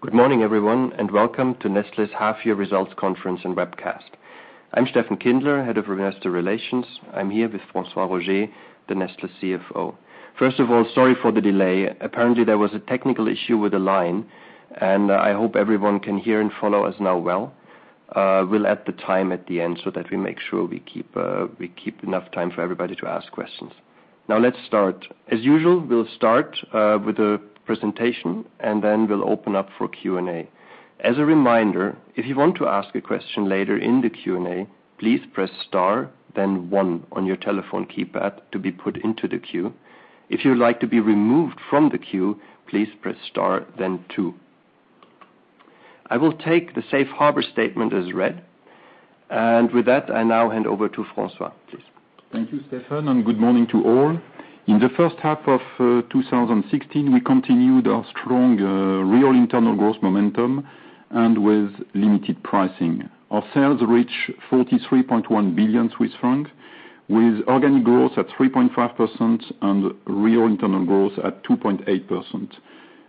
Good morning, everyone, welcome to Nestlé's half-year results conference and webcast. I'm Steffen Kindler, Head of Investor Relations. I'm here with François-Xavier Roger, the Nestlé CFO. First of all, sorry for the delay. Apparently, there was a technical issue with the line, and I hope everyone can hear and follow us now well. We'll add the time at the end so that we make sure we keep enough time for everybody to ask questions. Let's start. As usual, we'll start with a presentation, and then we'll open up for Q&A. As a reminder, if you want to ask a question later in the Q&A, please press star then one on your telephone keypad to be put into the queue. If you would like to be removed from the queue, please press star then two. I will take the safe harbor statement as read. With that, I now hand over to François. Please. Thank you, Steffen, and good morning to all. In the first half of 2016, we continued our strong real internal growth momentum and with limited pricing. Our sales reach 43.1 billion Swiss francs with organic growth at 3.5% and real internal growth at 2.8%.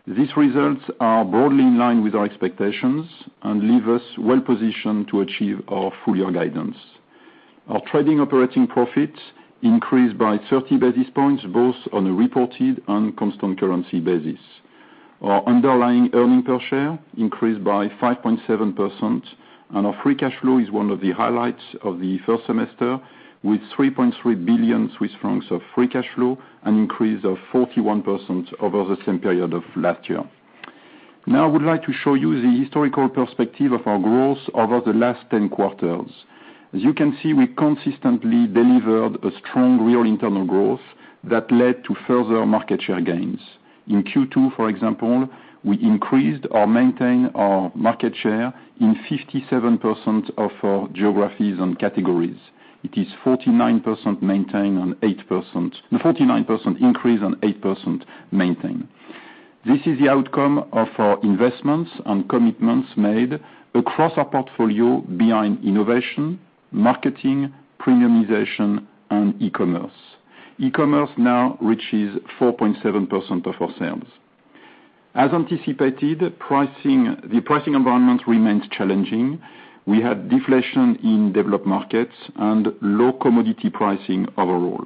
These results are broadly in line with our expectations and leave us well-positioned to achieve our full-year guidance. Our trading operating profit increased by 30 basis points, both on a reported and constant currency basis. Our underlying earnings per share increased by 5.7%, and our free cash flow is one of the highlights of the first semester, with 3.3 billion Swiss francs of free cash flow, an increase of 41% over the same period of last year. I would like to show you the historical perspective of our growth over the last 10 quarters. As you can see, we consistently delivered a strong real internal growth that led to further market share gains. In Q2, for example, we increased or maintained our market share in 57% of our geographies and categories. It is 49% increase and 8% maintained. This is the outcome of our investments and commitments made across our portfolio behind innovation, marketing, premiumization, and e-commerce. E-commerce now reaches 4.7% of our sales. As anticipated, the pricing environment remains challenging. We had deflation in developed markets and low commodity pricing overall.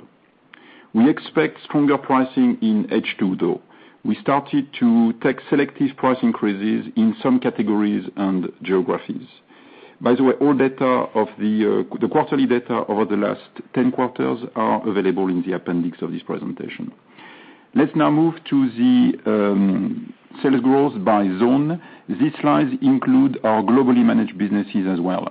We expect stronger pricing in H2, though. We started to take selective price increases in some categories and geographies. By the way, all the quarterly data over the last 10 quarters are available in the appendix of this presentation. Let's move to the sales growth by zone. These slides include our globally managed businesses as well.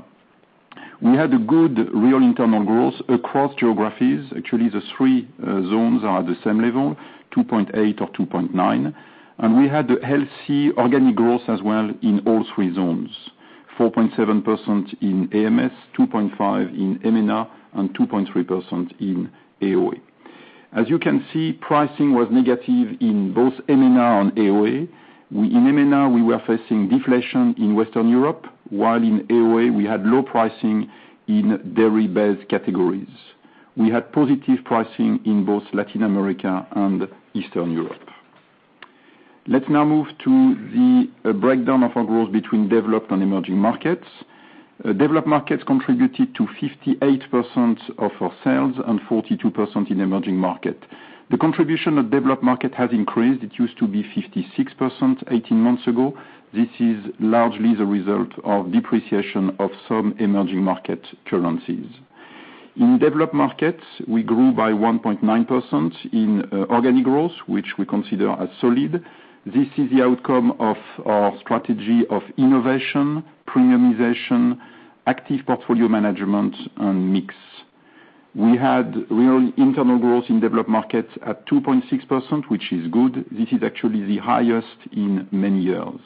We had good real internal growth across geographies. Actually, the three zones are at the same level, 2.8% or 2.9%. We had healthy organic growth as well in all three zones, 4.7% in AMS, 2.5% in MENA, and 2.3% in AOA. As you can see, pricing was negative in both MENA and AOA. In MENA, we were facing deflation in Western Europe, while in AOA we had low pricing in dairy-based categories. We had positive pricing in both Latin America and Eastern Europe. Let's now move to the breakdown of our growth between developed and emerging markets. Developed markets contributed to 58% of our sales and 42% in emerging markets. The contribution of developed markets has increased. It used to be 56% 18 months ago. This is largely the result of depreciation of some emerging market currencies. In developed markets, we grew by 1.9% in organic growth, which we consider as solid. This is the outcome of our strategy of innovation, premiumization, active portfolio management, and mix. We had real internal growth in developed markets at 2.6%, which is good. This is actually the highest in many years.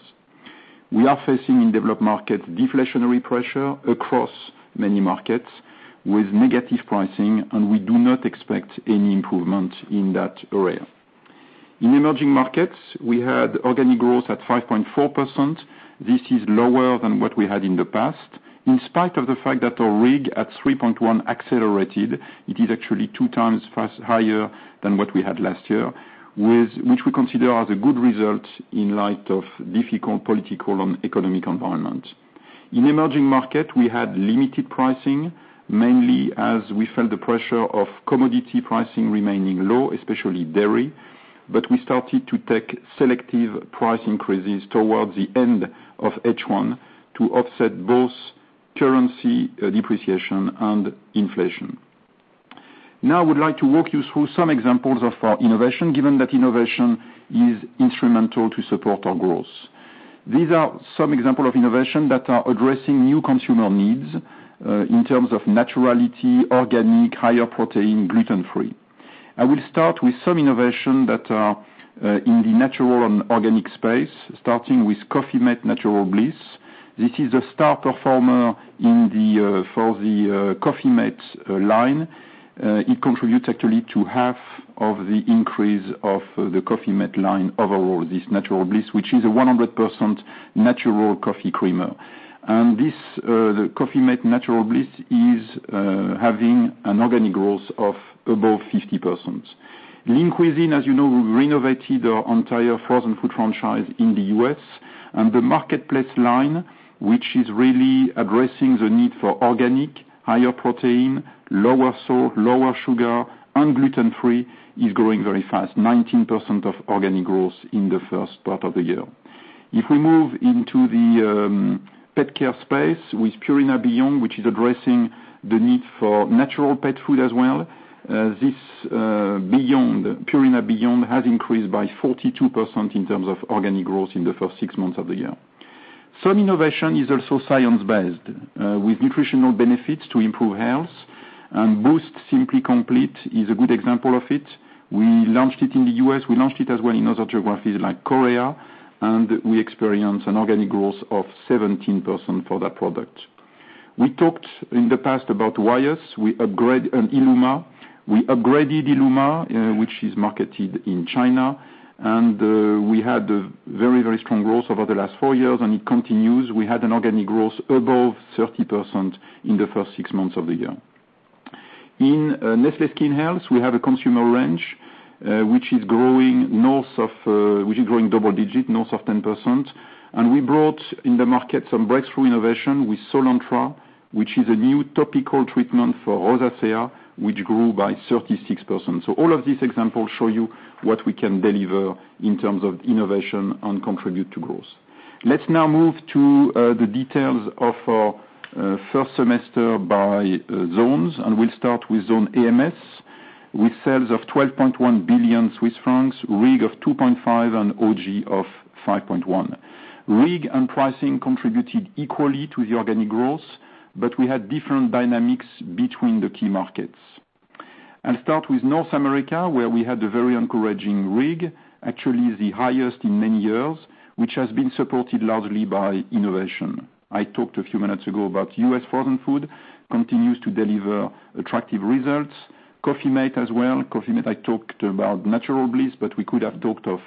We are facing, in developed markets, deflationary pressure across many markets with negative pricing, and we do not expect any improvement in that area. In emerging markets, we had organic growth at 5.4%. This is lower than what we had in the past. In spite of the fact that our RIG at 3.1% accelerated, it is actually two times higher than what we had last year, which we consider as a good result in light of difficult political and economic environment. In emerging markets, we had limited pricing, mainly as we felt the pressure of commodity pricing remaining low, especially dairy. We started to take selective price increases towards the end of H1 to offset both currency depreciation and inflation. I would like to walk you through some examples of our innovation, given that innovation is instrumental to support our growth. These are some examples of innovation that are addressing new consumer needs, in terms of naturality, organic, higher protein, gluten-free. I will start with some innovation that are in the natural and organic space, starting with Coffee-mate Natural Bliss. This is a star performer for the Coffee-mate line. It contributes actually to half of the increase of the Coffee-mate line overall, this Natural Bliss, which is a 100% natural coffee creamer. The Coffee-mate Natural Bliss is having an organic growth of above 50%. Lean Cuisine, as you know, we renovated our entire frozen food franchise in the U.S., and the Marketplace line, which is really addressing the need for organic, higher protein, lower sugar, and gluten-free, is growing very fast, 19% of organic growth in the first part of the year. If we move into the pet care space with Purina Beyond, which is addressing the need for natural pet food as well. This Purina Beyond has increased by 42% in terms of organic growth in the first six months of the year. Some innovation is also science-based, with nutritional benefits to improve health, Boost Simply Complete is a good example of it. We launched it in the U.S. We launched it as well in other geographies like Korea, we experienced an organic growth of 17% for that product. We talked in the past about Wyeth and Illuma. We upgraded illuma, which is marketed in China, and we had very strong growth over the last four years, and it continues. We had an organic growth above 30% in the first six months of the year. In Nestlé Skin Health, we have a consumer range, which is growing double digit, north of 10%, and we brought in the market some breakthrough innovation with SOOLANTRA, which is a new topical treatment for rosacea, which grew by 36%. All of these examples show you what we can deliver in terms of innovation and contribute to growth. Let's now move to the details of our first semester by zones. We'll start with Zone AMS. With sales of 12.1 billion Swiss francs, RIG of 2.5% and OG of 5.1%. RIG and pricing contributed equally to the organic growth. We had different dynamics between the key markets. I'll start with North America, where we had a very encouraging RIG, actually the highest in many years, which has been supported largely by innovation. I talked a few minutes ago about U.S. frozen food, continues to deliver attractive results. Coffee-mate as well. Coffee-mate, I talked about Coffee-mate Natural Bliss, but we could have talked of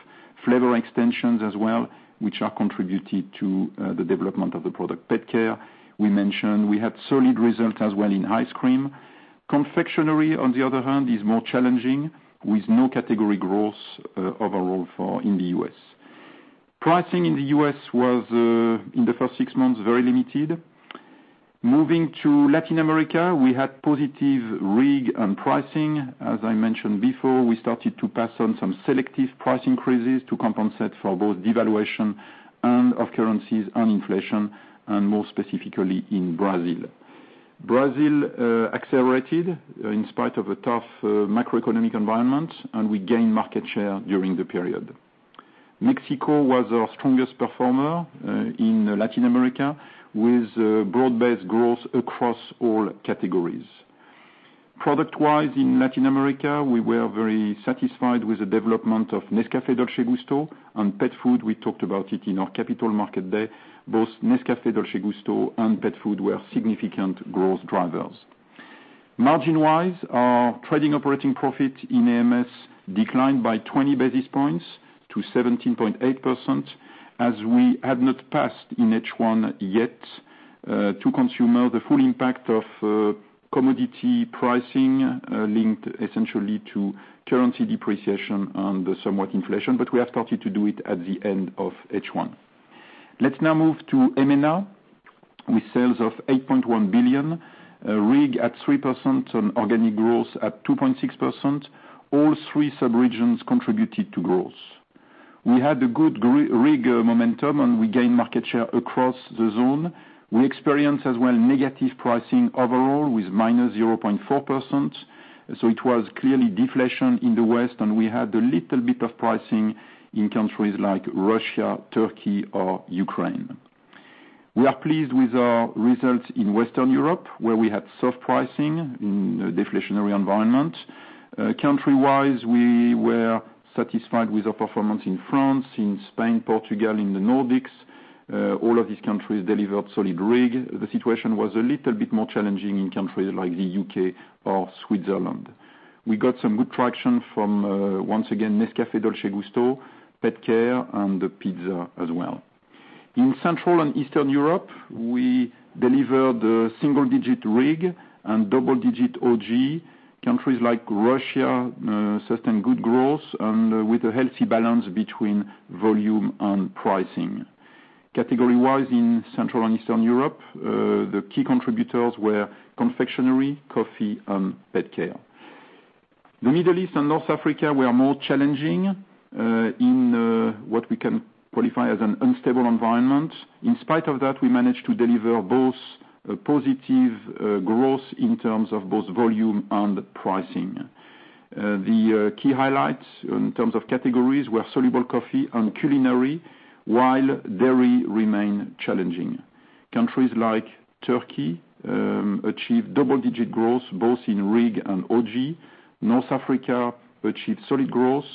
flavor extensions as well, which are contributing to the development of the product. Pet care we mentioned. We had solid results as well in ice cream. Confectionery, on the other hand, is more challenging, with no category growth overall in the U.S. Pricing in the U.S. was, in the first six months, very limited. Moving to Latin America, we had positive RIG and pricing. As I mentioned before, we started to pass on some selective price increases to compensate for both devaluation of currencies and inflation. More specifically in Brazil. Brazil accelerated in spite of a tough macroeconomic environment. We gained market share during the period. Mexico was our strongest performer in Latin America, with broad-based growth across all categories. Product-wise in Latin America, we were very satisfied with the development of Nescafé Dolce Gusto and pet food. We talked about it in our Capital Market Day. Both Nescafé Dolce Gusto and pet food were significant growth drivers. Margin-wise, our trading operating profit in AMS declined by 20 basis points to 17.8%, as we had not passed in H1 yet to consumer the full impact of commodity pricing linked essentially to currency depreciation and somewhat inflation. We have started to do it at the end of H1. Let's now move to MENA. With sales of 8.1 billion, RIG at 3% and organic growth at 2.6%, all three sub-regions contributed to growth. We had a good RIG momentum. We gained market share across the zone. We experienced as well negative pricing overall with -0.4%. It was clearly deflation in the West. We had a little bit of pricing in countries like Russia, Turkey, or Ukraine. We are pleased with our results in Western Europe, where we had soft pricing in a deflationary environment. Country-wise, we were satisfied with our performance in France, in Spain, Portugal, in the Nordics. All of these countries delivered solid RIG. The situation was a little bit more challenging in countries like the U.K. or Switzerland. We got some good traction from, once again, Nescafé Dolce Gusto, pet care, and pizza as well. In Central and Eastern Europe, we delivered a single-digit RIG and double-digit OG. Countries like Russia sustained good growth with a healthy balance between volume and pricing. Category-wise, in Central and Eastern Europe, the key contributors were confectionery, coffee, and pet care. The Middle East and North Africa were more challenging in what we can qualify as an unstable environment. In spite of that, we managed to deliver both positive growth in terms of both volume and pricing. The key highlights in terms of categories were soluble coffee and culinary, while dairy remained challenging. Countries like Turkey achieved double-digit growth both in RIG and OG. North Africa achieved solid growth,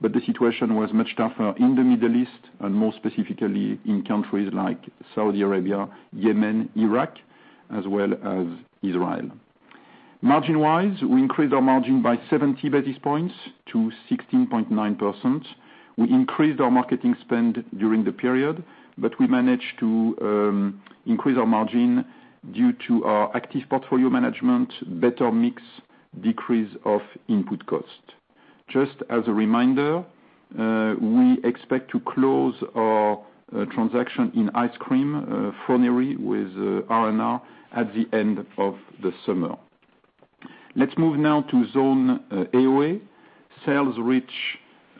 but the situation was much tougher in the Middle East, and more specifically in countries like Saudi Arabia, Yemen, Iraq, as well as Israel. Margin-wise, we increased our margin by 70 basis points to 16.9%. We increased our marketing spend during the period, we managed to increase our margin due to our active portfolio management, better mix, decrease of input cost. Just as a reminder, we expect to close our transaction in ice cream, Froneri, with R&R at the end of the summer. Let's move now to zone AOA. Sales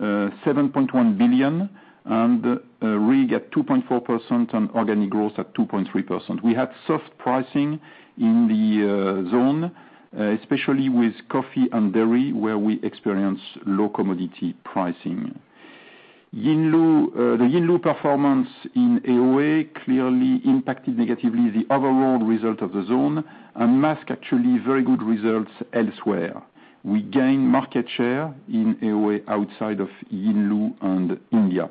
reach 7.1 billion and RIG at 2.4% and organic growth at 2.3%. We had soft pricing in the zone, especially with coffee and dairy, where we experienced low commodity pricing. The Yinlu performance in AOA clearly impacted negatively the overall result of the zone and mask actually very good results elsewhere. We gain market share in AOA outside of Yinlu and India.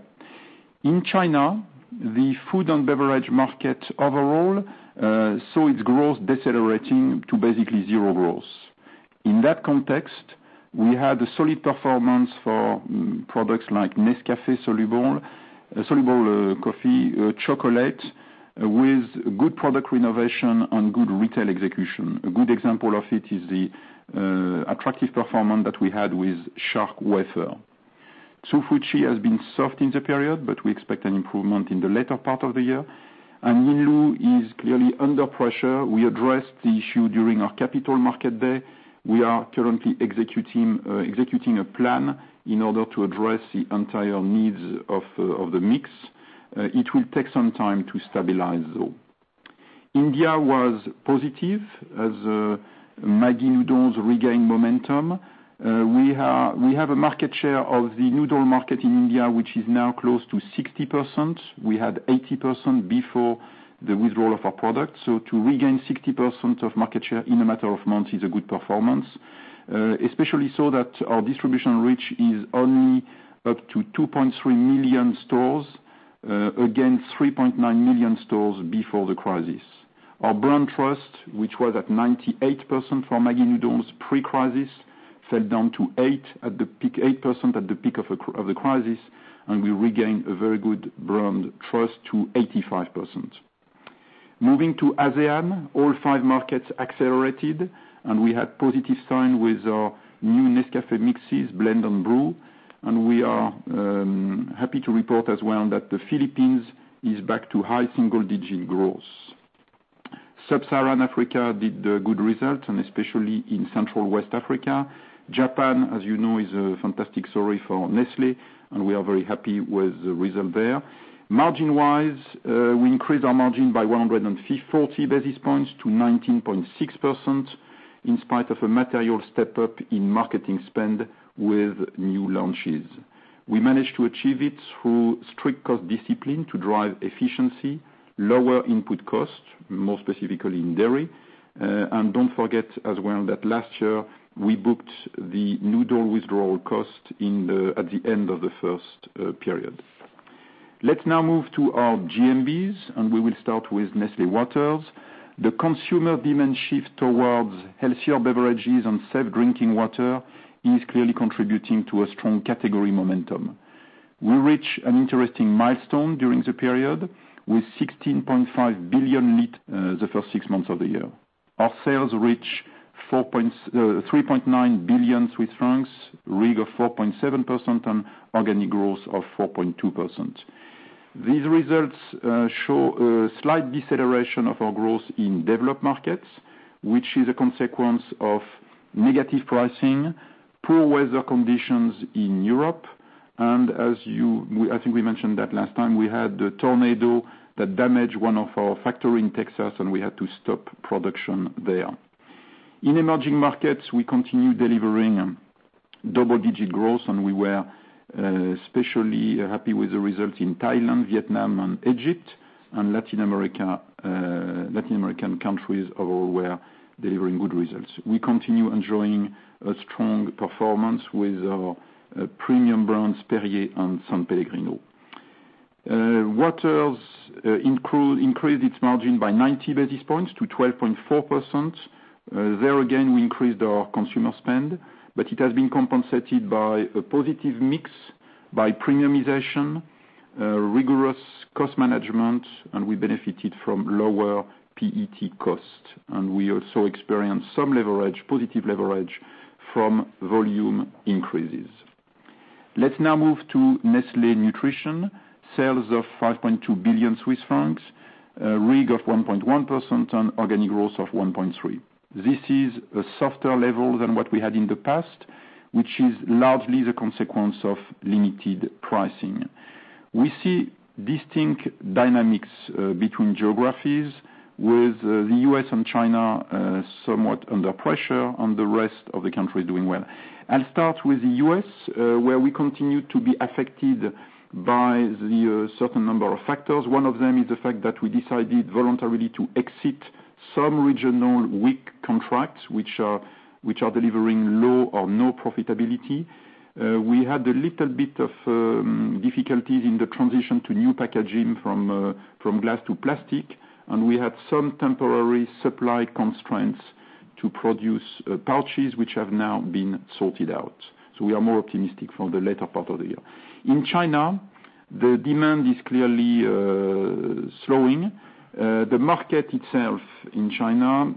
In China, the food and beverage market overall saw its growth decelerating to basically zero growth. In that context, we had a solid performance for products like NESCAFÉ soluble coffee, chocolate, with good product renovation and good retail execution. A good example of it is the attractive performance that we had with Shark Wafer. Hsu Fu Chi has been soft in the period, we expect an improvement in the later part of the year. Yinlu is clearly under pressure. We addressed the issue during our capital market day. We are currently executing a plan in order to address the entire needs of the mix. It will take some time to stabilize, though. India was positive as MAGGI Noodles regained momentum. We have a market share of the noodle market in India, which is now close to 60%. We had 80% before the withdrawal of our product. To regain 60% of market share in a matter of months is a good performance, especially so that our distribution reach is only up to 2.3 million stores against 3.9 million stores before the crisis. Our brand trust, which was at 98% for MAGGI Noodles pre-crisis, fell down to 8% at the peak of the crisis, we regained a very good brand trust to 85%. Moving to ASEAN, all five markets accelerated, we had positive sign with our new NESCAFÉ mixes, Blend & Brew. We are happy to report as well that the Philippines is back to high single-digit growth. Sub-Saharan Africa did good results, especially in Central West Africa. Japan, as you know, is a fantastic story for Nestlé, we are very happy with the result there. Margin-wise, we increased our margin by 140 basis points to 19.6%, in spite of a material step-up in marketing spend with new launches. We managed to achieve it through strict cost discipline to drive efficiency, lower input cost, more specifically in dairy. Don't forget as well that last year, we booked the noodle withdrawal cost at the end of the first period. Let's now move to our GMBs, and we will start with Nestlé Waters. The consumer demand shift towards healthier beverages and safe drinking water is clearly contributing to a strong category momentum. We reached an interesting milestone during the period with 16.5 billion liters the first six months of the year. Our sales reached 3.9 billion Swiss francs, RIG of 4.7% and organic growth of 4.2%. These results show a slight deceleration of our growth in developed markets, which is a consequence of negative pricing, poor weather conditions in Europe, and I think we mentioned that last time, we had a tornado that damaged one of our factories in Texas, and we had to stop production there. In emerging markets, we continue delivering double-digit growth, and we were especially happy with the results in Thailand, Vietnam, and Egypt. Latin American countries overall were delivering good results. We continue enjoying a strong performance with our premium brands, Perrier and S.Pellegrino. Waters increased its margin by 90 basis points to 12.4%. There again, we increased our consumer spend, it has been compensated by a positive mix by premiumization, rigorous cost management, and we benefited from lower PET cost. We also experienced some positive leverage from volume increases. Let's now move to Nestlé Nutrition. Sales of 5.2 billion Swiss francs, RIG of 1.1% and organic growth of 1.3%. This is a softer level than what we had in the past, which is largely the consequence of limited pricing. We see distinct dynamics between geographies with the U.S. and China somewhat under pressure and the rest of the country doing well. I'll start with the U.S., where we continue to be affected by the certain number of factors. One of them is the fact that we decided voluntarily to exit some regional WIC contracts which are delivering low or no profitability. We had a little bit of difficulties in the transition to new packaging from glass to plastic, and we had some temporary supply constraints to produce pouches, which have now been sorted out. We are more optimistic for the later part of the year. In China, the demand is clearly slowing. The market itself in China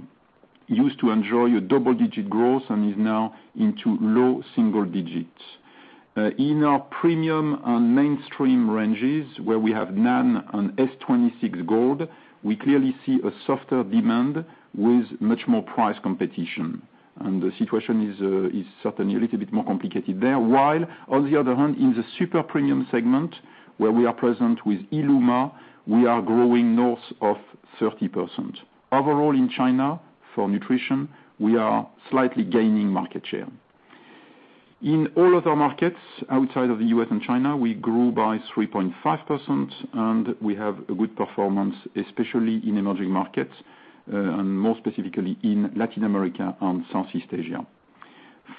used to enjoy a double-digit growth and is now into low single digits. In our premium and mainstream ranges, where we have NAN and S-26 GOLD, we clearly see a softer demand with much more price competition. The situation is certainly a little bit more complicated there. While on the other hand, in the super premium segment, where we are present with illuma, we are growing north of 30%. Overall in China, for nutrition, we are slightly gaining market share. In all other markets outside of the U.S. and China, we grew by 3.5% and we have a good performance, especially in emerging markets, and more specifically in Latin America and Southeast Asia.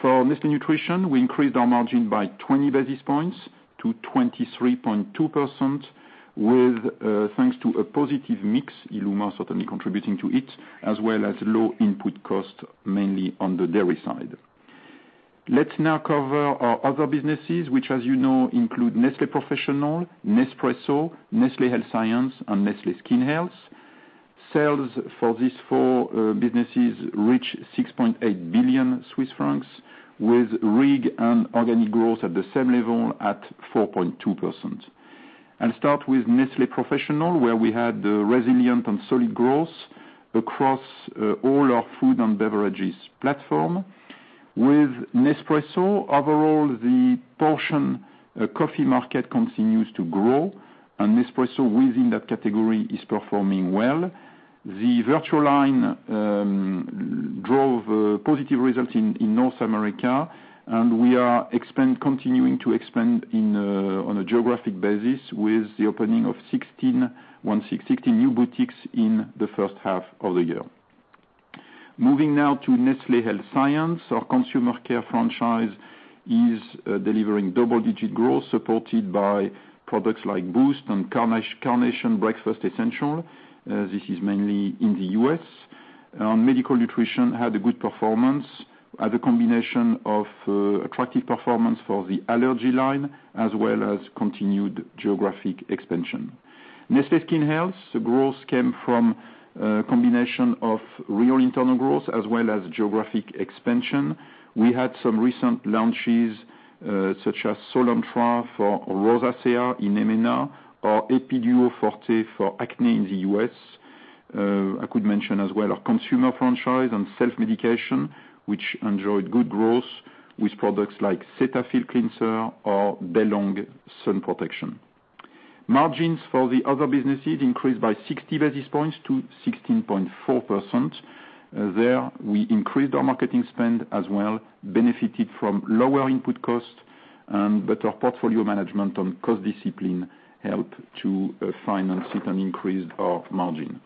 For Nestlé Nutrition, we increased our margin by 20 basis points to 23.2%, thanks to a positive mix, illuma certainly contributing to it, as well as low input cost, mainly on the dairy side. Let's now cover our other businesses, which as you know include Nestlé Professional, Nespresso, Nestlé Health Science, and Nestlé Skin Health. Sales for these four businesses reach 6.8 billion Swiss francs with RIG and organic growth at the same level at 4.2%. I'll start with Nestlé Professional, where we had resilient and solid growth across all our food and beverages platform. With Nespresso, overall, the portion coffee market continues to grow, and Nespresso within that category is performing well. The Vertuo line drove positive results in North America, and we are continuing to expand on a geographic basis with the opening of 16 new boutiques in the first half of the year. Moving now to Nestlé Health Science. Our consumer care franchise is delivering double-digit growth supported by products like BOOST and Carnation Breakfast Essentials. This is mainly in the U.S. Medical Nutrition had a good performance as a combination of attractive performance for the allergy line, as well as continued geographic expansion. Nestlé Skin Health's growth came from a combination of real internal growth as well as geographic expansion. We had some recent launches, such as SOOLANTRA for rosacea in MENA or EPIDUO FORTE for acne in the U.S. I could mention as well our consumer franchise and self-medication, which enjoyed good growth with products like CETAPHIL cleanser or Heliocare sun protection. Margins for the other businesses increased by 60 basis points to 16.4%. There we increased our marketing spend as well, benefited from lower input costs, and better portfolio management on cost discipline helped to finance it and increased our margin.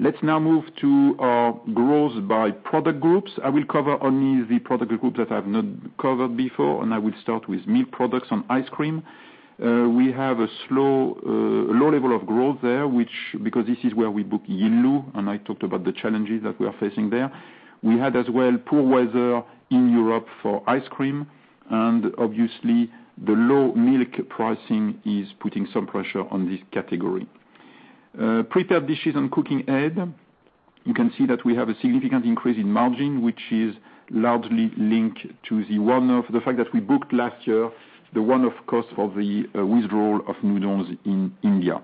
Let's now move to our growth by product groups. I will cover only the product groups that I've not covered before, and I will start with meat products and ice cream. We have a low level of growth there, because this is where we book Yinlu, and I talked about the challenges that we are facing there. We had as well poor weather in Europe for ice cream, and obviously the low milk pricing is putting some pressure on this category. Prepared dishes and cooking aid, you can see that we have a significant increase in margin, which is largely linked to the one-off, the fact that we booked last year the one-off cost of the withdrawal of noodles in India.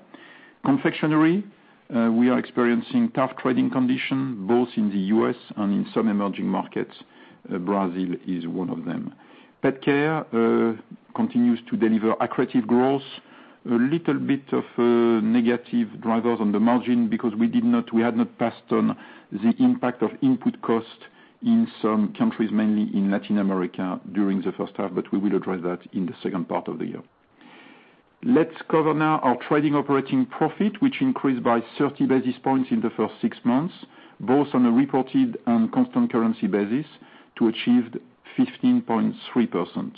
Confectionery, we are experiencing tough trading condition, both in the U.S. and in some emerging markets. Brazil is one of them. Pet care continues to deliver accretive growth. A little bit of negative drivers on the margin because we had not passed on the impact of input cost in some countries, mainly in Latin America during the first half, but we will address that in the second part of the year. Let's cover now our trading operating profit, which increased by 30 basis points in the first six months, both on a reported and constant currency basis, to achieve 15.3%.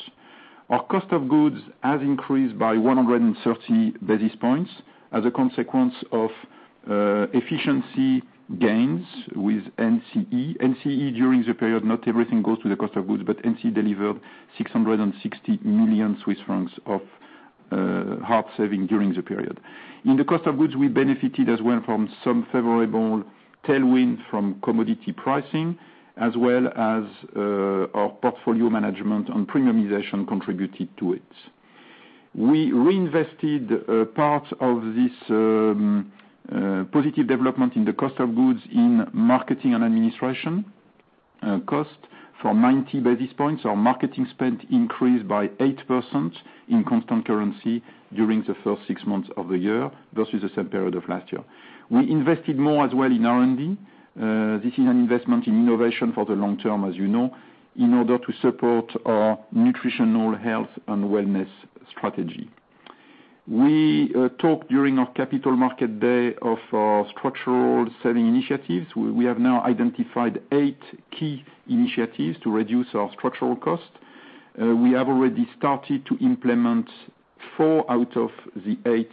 Our cost of goods has increased by 130 basis points as a consequence of efficiency gains with NCE. NCE during the period, not everything goes to the cost of goods, but NCE delivered 660 million Swiss francs of hard saving during the period. In the cost of goods, we benefited as well from some favorable tailwind from commodity pricing as well as our portfolio management and premiumization contributed to it. We reinvested part of this positive development in the cost of goods in marketing and administration cost from 90 basis points. Our marketing spend increased by 8% in constant currency during the first six months of the year versus the same period of last year. We invested more as well in R&D. This is an investment in innovation for the long term, as you know, in order to support our nutritional health and wellness strategy. We talked during our Capital Market Day of our structural saving initiatives. We have now identified eight key initiatives to reduce our structural cost. We have already started to implement four out of the eight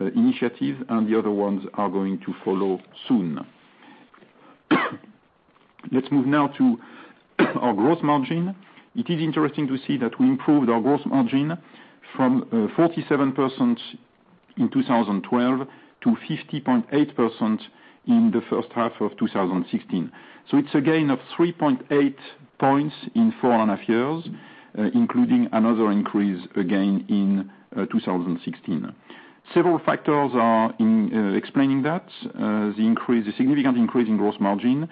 initiatives, and the other ones are going to follow soon. Let's move now to our gross margin. It is interesting to see that we improved our gross margin from 47% in 2012 to 50.8% in the first half of 2016. It's a gain of 3.8 points in four and a half years, including another increase again in 2016. Several factors are explaining that. The significant increase in gross margin,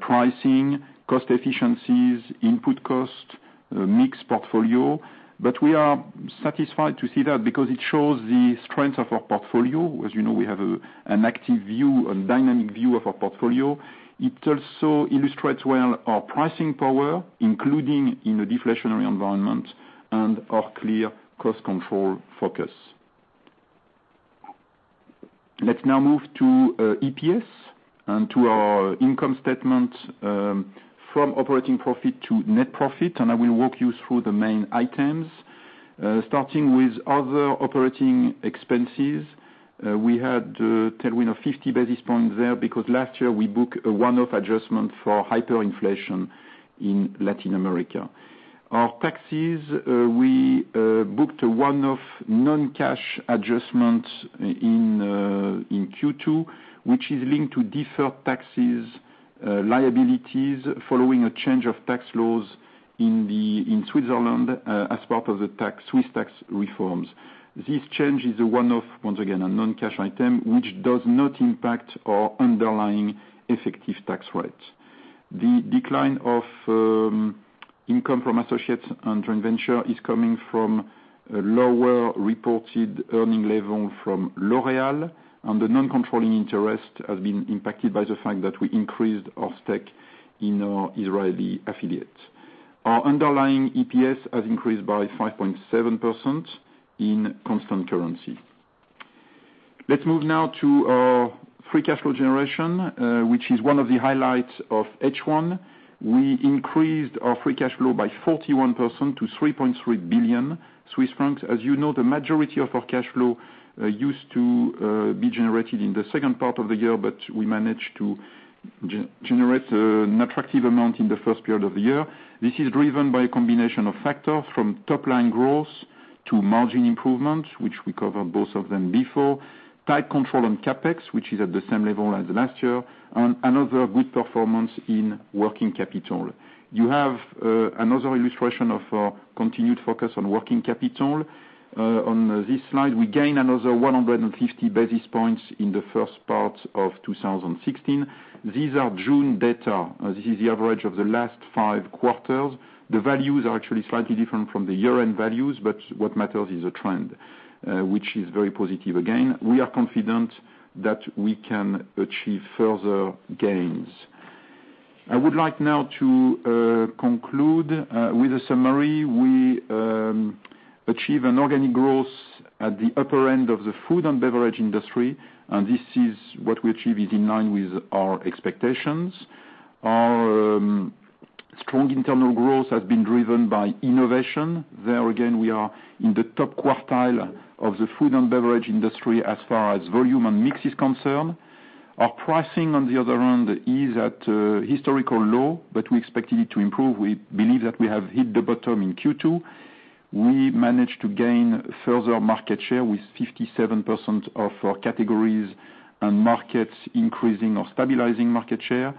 pricing, cost efficiencies, input cost, mixed portfolio. We are satisfied to see that because it shows the strength of our portfolio. As you know, we have an active view, a dynamic view of our portfolio. It also illustrates well our pricing power, including in a deflationary environment, and our clear cost control focus. Let's now move to EPS and to our income statement from operating profit to net profit, and I will walk you through the main items. Starting with other operating expenses, we had a tailwind of 50 basis points there because last year we book a one-off adjustment for hyperinflation in Latin America. Our taxes, we booked a one-off non-cash adjustment in Q2, which is linked to deferred taxes, liabilities following a change of tax laws in Switzerland as part of the Swiss tax reforms. This change is a one-off, once again, a non-cash item, which does not impact our underlying effective tax rates. The decline of income from associates and joint venture is coming from a lower reported earning level from L'Oréal, and the non-controlling interest has been impacted by the fact that we increased our stake in our Israeli affiliate. Our underlying EPS has increased by 5.7% in constant currency. Let's move now to our free cash flow generation, which is one of the highlights of H1. We increased our free cash flow by 41% to 3.3 billion Swiss francs. As you know, the majority of our cash flow used to be generated in the second part of the year, but we managed to generate an attractive amount in the first period of the year. This is driven by a combination of factors from top-line growth to margin improvement, which we covered both of them before. Tight control on CapEx, which is at the same level as last year, and another good performance in working capital. You have another illustration of our continued focus on working capital. On this slide, we gain another 150 basis points in the first part of 2016. These are June data. This is the average of the last five quarters. The values are actually slightly different from the year-end values, but what matters is the trend, which is very positive again. We are confident that we can achieve further gains. I would like now to conclude with a summary. We achieve an organic growth at the upper end of the food and beverage industry, and this is what we achieve is in line with our expectations. Our strong internal growth has been driven by innovation. There again, we are in the top quartile of the food and beverage industry as far as volume and mix is concerned. Our pricing, on the other hand, is at a historical low, but we expected it to improve. We believe that we have hit the bottom in Q2. We managed to gain further market share with 57% of our categories and markets increasing or stabilizing market share.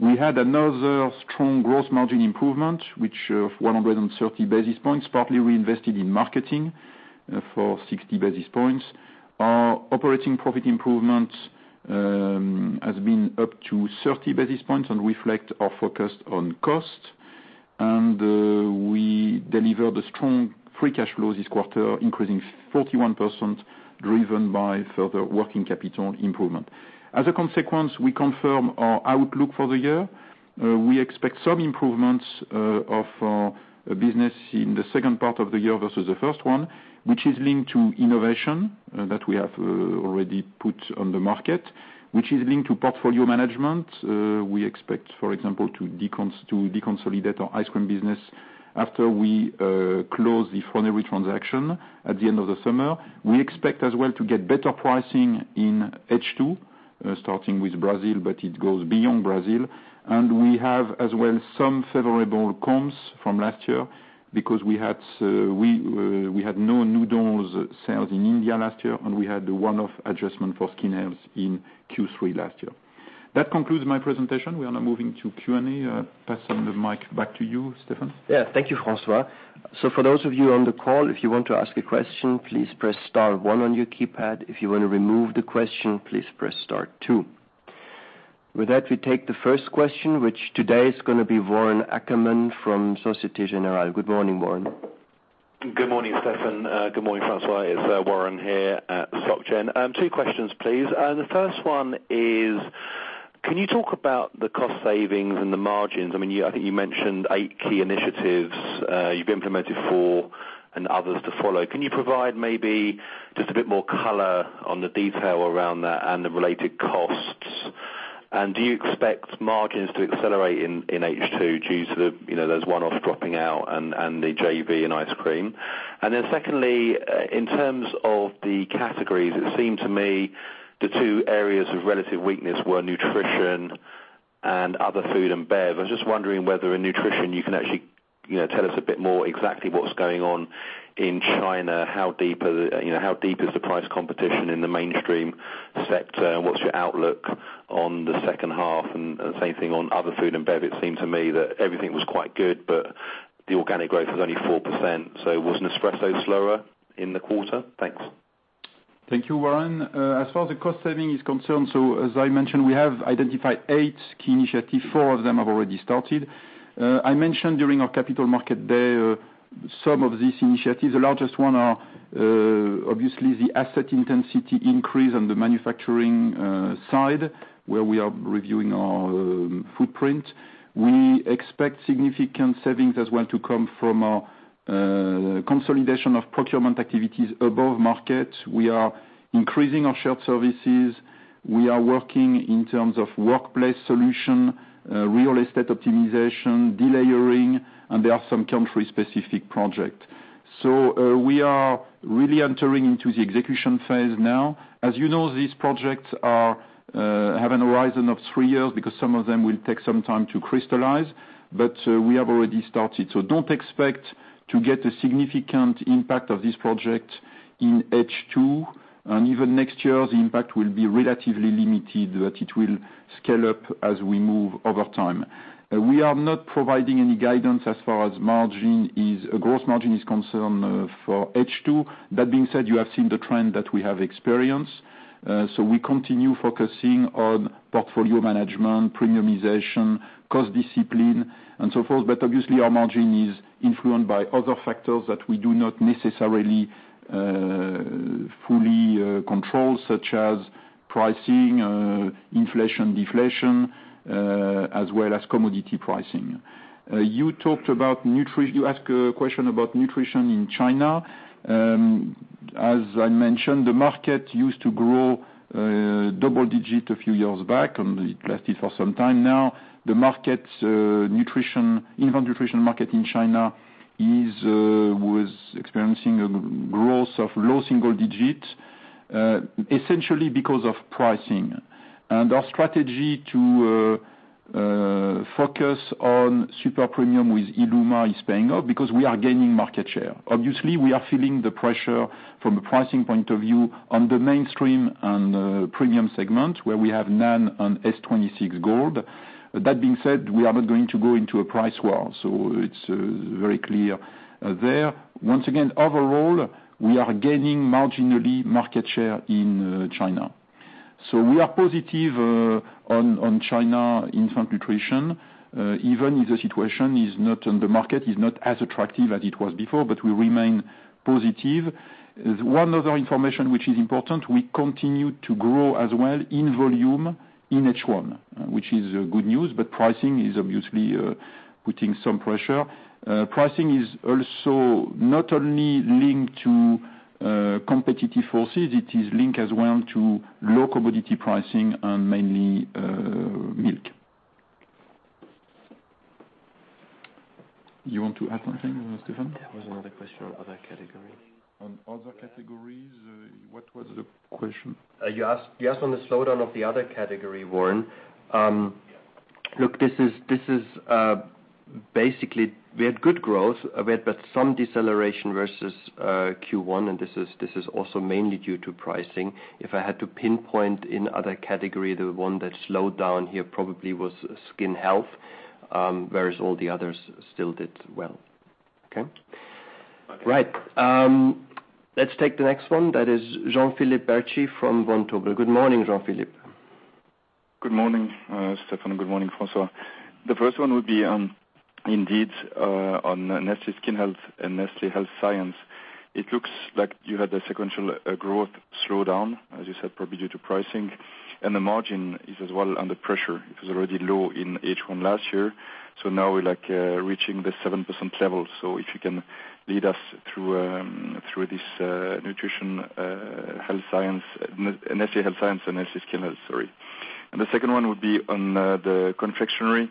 We had another strong gross margin improvement, which of 130 basis points, partly we invested in marketing for 60 basis points. Our operating profit improvement has been up to 30 basis points and reflect our focus on cost. We delivered a strong free cash flow this quarter, increasing 41%, driven by further working capital improvement. As a consequence, we confirm our outlook for the year. We expect some improvements of our business in the second part of the year versus the first one, which is linked to innovation that we have already put on the market, which is linked to portfolio management. We expect, for example, to deconsolidate our ice cream business after we close the Froneri transaction at the end of the summer. We expect as well to get better pricing in H2, starting with Brazil, but it goes beyond Brazil. We have as well some favorable comps from last year because we had no noodles sales in India last year, and we had a one-off adjustment for Skin Health in Q3 last year. That concludes my presentation. We are now moving to Q&A. Pass on the mic back to you, Steffen. Thank you, François. For those of you on the call, if you want to ask a question, please press star one on your keypad. If you want to remove the question, please press star two. With that, we take the first question, which today is going to be Warren Ackerman from Société Générale. Good morning, Warren. Good morning, Steffen. Good morning, François. It's Warren here at Soc Gen. Two questions, please. The first one is, can you talk about the cost savings and the margins? I think you mentioned 8 key initiatives you've implemented 4 and others to follow. Can you provide maybe just a bit more color on the detail around that and the related costs? Do you expect margins to accelerate in H2 due to those one-offs dropping out and the JV and ice cream? Secondly, in terms of the categories, it seemed to me the 2 areas of relative weakness were nutrition and other food and bev. I was just wondering whether in nutrition you can actually tell us a bit more exactly what's going on in China, how deep is the price competition in the mainstream sector? What's your outlook on the second half? Same thing on other food and bev. It seemed to me that everything was quite good, but the organic growth was only 4%. Was Nespresso slower in the quarter? Thanks. Thank you, Warren. As far as the cost saving is concerned, as I mentioned, we have identified 8 key initiatives. 4 of them have already started. I mentioned during our capital market day some of these initiatives. The largest one are obviously the asset intensity increase on the manufacturing side, where we are reviewing our footprint. We expect significant savings as well to come from our consolidation of procurement activities above market. We are increasing our shared services. We are working in terms of workplace solution, real estate optimization, delayering, and there are some country-specific projects. We are really entering into the execution phase now. As you know, these projects have a horizon of 3 years because some of them will take some time to crystallize, but we have already started. Don't expect to get a significant impact of this project in H2 and even next year, the impact will be relatively limited, but it will scale up as we move over time. We are not providing any guidance as far as gross margin is concerned for H2. That being said, you have seen the trend that we have experienced. We continue focusing on portfolio management, premiumization, cost discipline, and so forth. Obviously, our margin is influenced by other factors that we do not necessarily fully control, such as pricing, inflation, deflation, as well as commodity pricing. You asked a question about nutrition in China. As I mentioned, the market used to grow double digit a few years back, and it lasted for some time now. The infant nutrition market in China was experiencing a growth of low single digits, essentially because of pricing. Our strategy to focus on super premium with illuma is paying off because we are gaining market share. Obviously, we are feeling the pressure from a pricing point of view on the mainstream and premium segment where we have NAN and S-26 GOLD. That being said, we are not going to go into a price war, it's very clear there. Once again, overall, we are gaining marginally market share in China. We are positive on China infant nutrition, even if the situation on the market is not as attractive as it was before, but we remain positive. One other information which is important, we continue to grow as well in volume in H1, which is good news, pricing is obviously putting some pressure. Pricing is also not only linked to competitive forces, it is linked as well to low commodity pricing and mainly milk. You want to add something, Steffen? There was another question on other categories. On other categories? What was the question? You asked on the slowdown of the other category, Warren. Look, basically, we had good growth. We had some deceleration versus Q1, and this is also mainly due to pricing. If I had to pinpoint in other category, the one that slowed down here probably was Skin Health, whereas all the others still did well. Okay. Okay. Right. Let's take the next one. That is Jean-Philippe Bertschy from Vontobel. Good morning, Jean-Philippe. Good morning, Steffen, and good morning, François. The first one would be on indeed, on Nestlé Skin Health and Nestlé Health Science. It looks like you had a sequential growth slowdown, as you said, probably due to pricing, and the margin is as well under pressure. It was already low in H1 last year. Now we're reaching the 7% level. If you can lead us through Nestlé Health Science and Nestlé Skin Health, sorry. The second one would be on the confectionery. It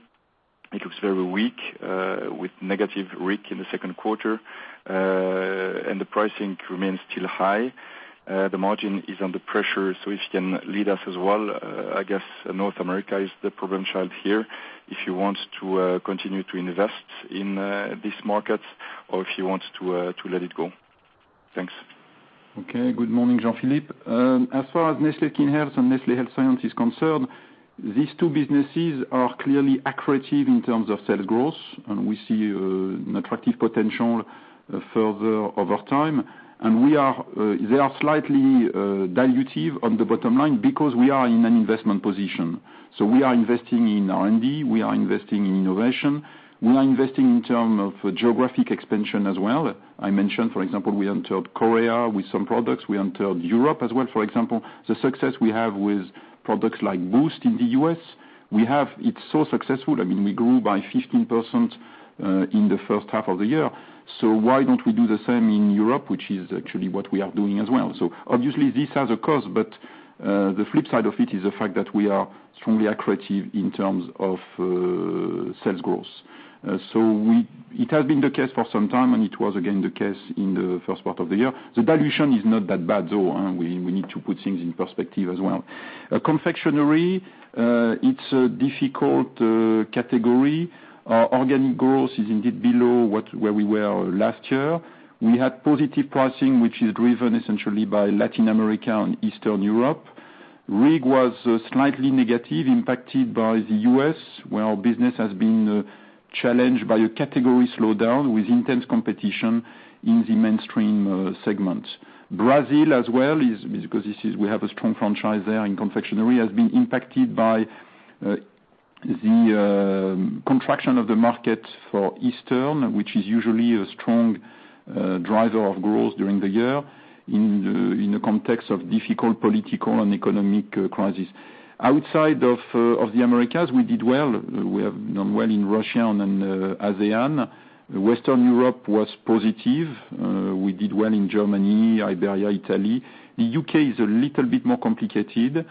looks very weak, with negative RIG in the second quarter, and the pricing remains still high. The margin is under pressure. If you can lead us as well, I guess North America is the problem child here. If you want to continue to invest in this market or if you want to let it go. Thanks. Okay. Good morning, Jean-Philippe. As far as Nestlé Skin Health and Nestlé Health Science is concerned, these two businesses are clearly accretive in terms of sales growth, and we see an attractive potential further over time. They are slightly dilutive on the bottom line because we are in an investment position. We are investing in R&D, we are investing in innovation. We are investing in term of geographic expansion as well. I mentioned, for example, we entered Korea with some products. We entered Europe as well, for example. The success we have with products like BOOST in the U.S. We have. It's so successful. We grew by 15% in the first half of the year. Why don't we do the same in Europe, which is actually what we are doing as well. Obviously this has a cost, but the flip side of it is the fact that we are strongly accretive in terms of sales growth. It has been the case for some time, and it was again the case in the first part of the year. The dilution is not that bad though, we need to put things in perspective as well. Confectionery, it's a difficult category. Our organic growth is indeed below where we were last year. We had positive pricing, which is driven essentially by Latin America and Eastern Europe. RIG was slightly negative, impacted by the U.S., where our business has been challenged by a category slowdown with intense competition in the mainstream segment. Brazil as well, because we have a strong franchise there in confectionery, has been impacted by the contraction of the market for Easter, which is usually a strong driver of growth during the year, in the context of difficult political and economic crisis. Outside of the Americas, we did well. We have done well in Russia and ASEAN. Western Europe was positive. We did well in Germany, Iberia, Italy. The U.K. is a little bit more complicated.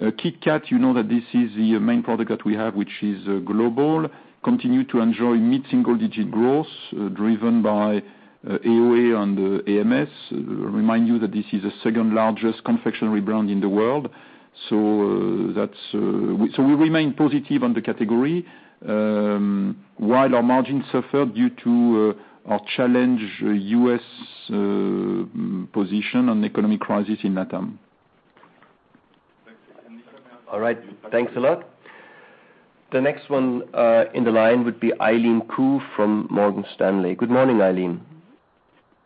KitKat, you know that this is the main product that we have, which is global, continue to enjoy mid-single digit growth driven by AOA and AMS. Remind you that this is the second-largest confectionery brand in the world. We remain positive on the category, while our margin suffered due to our challenged U.S. position on the economic crisis in LATAM. All right. Thanks a lot. The next one in the line would be Eileen Khoo from Morgan Stanley. Good morning, Eileen.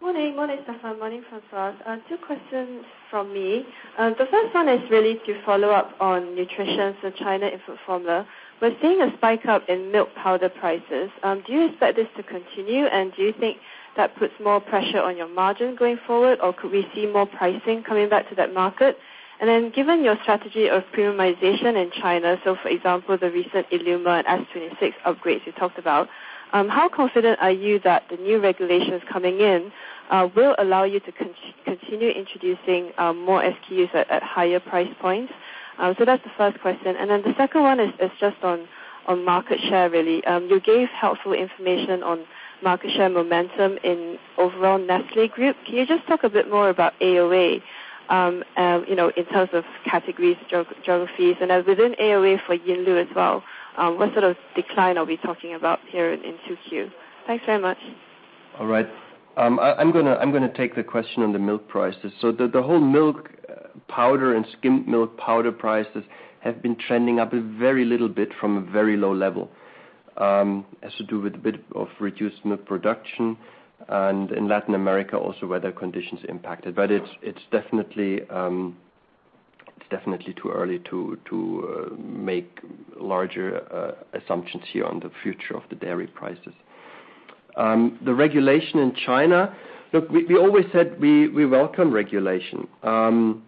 Morning. Morning, Steffen. Morning, François. Two questions from me. The first one is really to follow up on nutrition. China infant formula, we're seeing a spike up in milk powder prices. Do you expect this to continue, and do you think that puts more pressure on your margin going forward, or could we see more pricing coming back to that market? And then given your strategy of premiumization in China, for example, the recent illuma and S-26 upgrades you talked about, how confident are you that the new regulations coming in will allow you to continue introducing more SKUs at higher price points? That's the first question. And then the second one is just on market share really. You gave helpful information on market share momentum in overall Nestlé group. Can you just talk a bit more about AOA, in terms of categories, geographies, and within AOA for Yinlu as well? What sort of decline are we talking about here in 2Q? Thanks very much. All right. I'm going to take the question on the milk prices. The whole milk powder and skimmed milk powder prices have been trending up a very little bit from a very low level. Has to do with a bit of reduced milk production, and in Latin America also weather conditions impacted. It's definitely too early to make larger assumptions here on the future of the dairy prices. The regulation in China. Look, we always said we welcome regulation. Our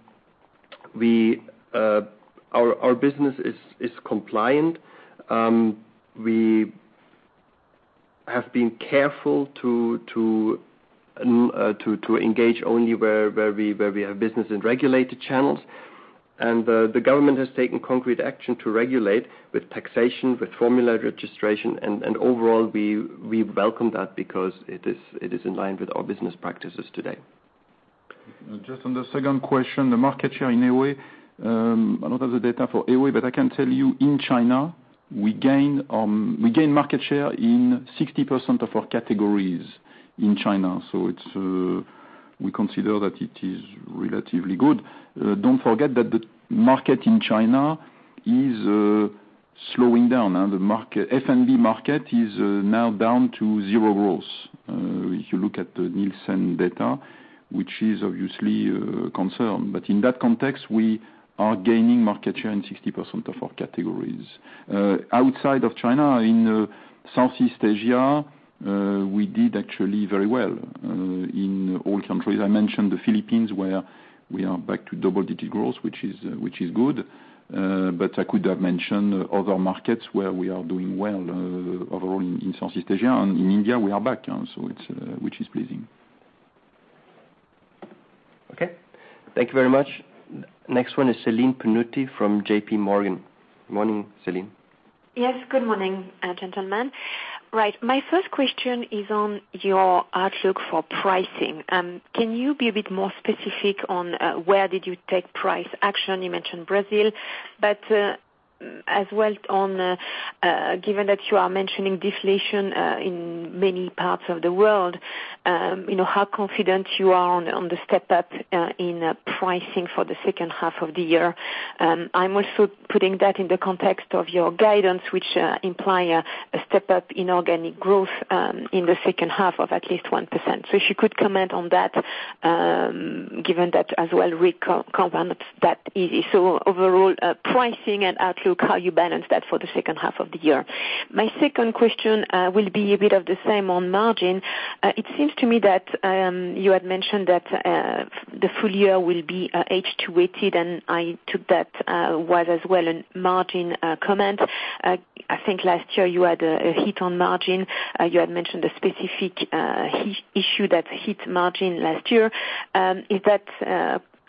business is compliant. We have been careful to engage only where we have business in regulated channels. The government has taken concrete action to regulate with taxation, with formula registration, and overall, we welcome that because it is in line with our business practices today. Just on the second question, the market share in AOA. I don't have the data for AOA, but I can tell you in China, we gain market share in 60% of our categories in China. We consider that it is relatively good. Don't forget that the market in China is slowing down. The F&B market is now down to zero growth. If you look at the Nielsen data, which is obviously a concern. In that context, we are gaining market share in 60% of our categories. Outside of China, in Southeast Asia, we did actually very well in all countries. I mentioned the Philippines, where we are back to double-digit growth, which is good. But I could have mentioned other markets where we are doing well overall in Southeast Asia and in India, we are back, which is pleasing. Okay. Thank you very much. Next one is Celine Pannuti from JPMorgan. Morning, Celine. Yes, good morning, gentlemen. Right. My first question is on your outlook for pricing. Can you be a bit more specific on where did you take price action? You mentioned Brazil, given that you are mentioning deflation in many parts of the world, how confident you are on the step-up in pricing for the second half of the year? I'm also putting that in the context of your guidance, which imply a step-up in organic growth in the second half of at least 1%. If you could comment on that, given that RIG compound that easy. Overall, pricing and outlook, how you balance that for the second half of the year. My second question will be a bit of the same on margin. It seems to me that you had mentioned that the full year will be H2 weighted. I took that was as well a margin comment. I think last year you had a hit on margin. You had mentioned a specific issue that hit margin last year. Is that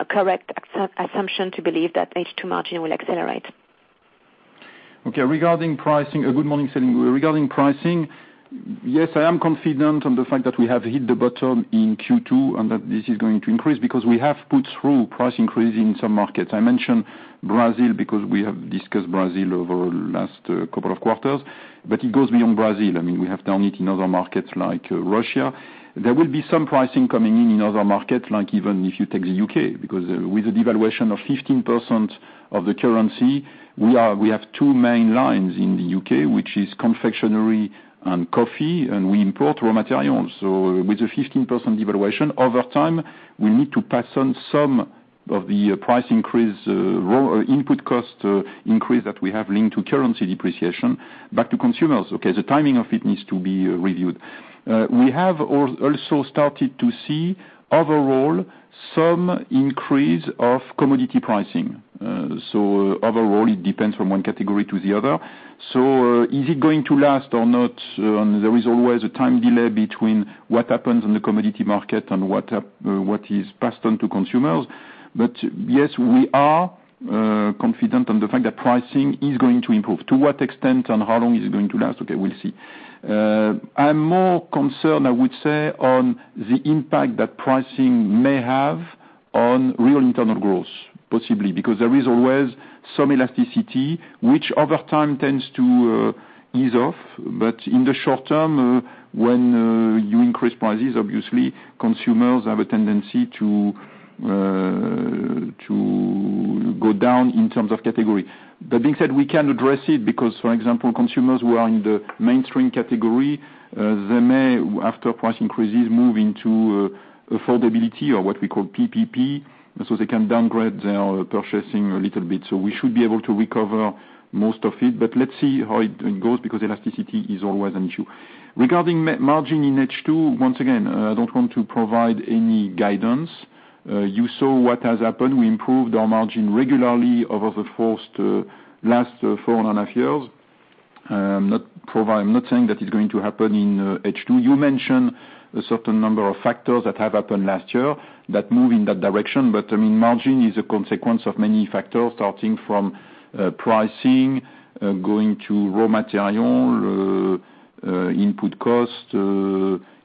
a correct assumption to believe that H2 margin will accelerate? Okay. Regarding pricing, good morning, Celine. Regarding pricing, yes, I am confident on the fact that we have hit the bottom in Q2. This is going to increase because we have put through price increases in some markets. I mention Brazil because we have discussed Brazil over the last couple of quarters. It goes beyond Brazil. We have done it in other markets like Russia. There will be some pricing coming in other markets, like even if you take the U.K., because with the devaluation of 15% of the currency, we have two main lines in the U.K., which is confectionery and coffee. We import raw materials. With the 15% devaluation, over time, we need to pass on some of the price increase, raw input cost increase that we have linked to currency depreciation back to consumers. Okay? The timing of it needs to be reviewed. We have also started to see, overall, some increase of commodity pricing. Overall, it depends from one category to the other. Is it going to last or not? There is always a time delay between what happens in the commodity market and what is passed on to consumers. Yes, we are confident on the fact that pricing is going to improve. To what extent and how long is it going to last? Okay, we'll see. I'm more concerned, I would say, on the impact that pricing may have on real internal growth, possibly because there is always some elasticity, which over time tends to ease off. In the short term, when you increase prices, obviously consumers have a tendency to go down in terms of category. That being said, we can address it because, for example, consumers who are in the mainstream category, they may, after price increases, move into affordability or what we call PPP. They can downgrade their purchasing a little bit. We should be able to recover most of it, but let's see how it goes, because elasticity is always an issue. Regarding margin in H2, once again, I don't want to provide any guidance. You saw what has happened. We improved our margin regularly over the first last four and a half years. I'm not saying that it's going to happen in H2. You mentioned a certain number of factors that have happened last year that move in that direction. Margin is a consequence of many factors, starting from pricing, going to raw material, input cost,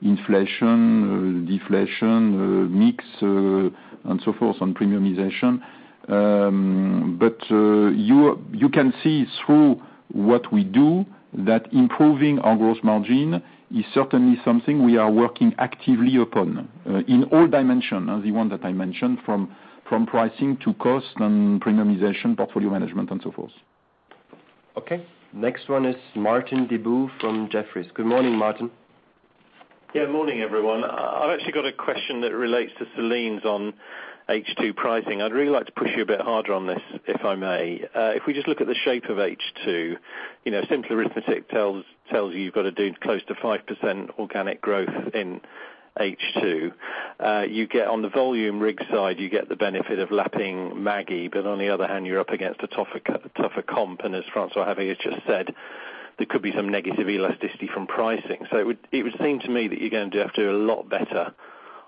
inflation, deflation, mix, and so forth, and premiumization. You can see through what we do that improving our gross margin is certainly something we are working actively upon in all dimensions, the one that I mentioned, from pricing to cost and premiumization, portfolio management, and so forth. Okay. Next one is Martin Deboo from Jefferies. Good morning, Martin. Yeah, morning, everyone. I've actually got a question that relates to Celine's on H2 pricing. I'd really like to push you a bit harder on this, if I may. If we just look at the shape of H2, simple arithmetic tells you you've got to do close to 5% organic growth in H2. You get on the volume RIG side, you get the benefit of lapping MAGGI, but on the other hand, you're up against a tougher comp. As François-Xavier just said, there could be some negative elasticity from pricing. It would seem to me that you're going to have to do a lot better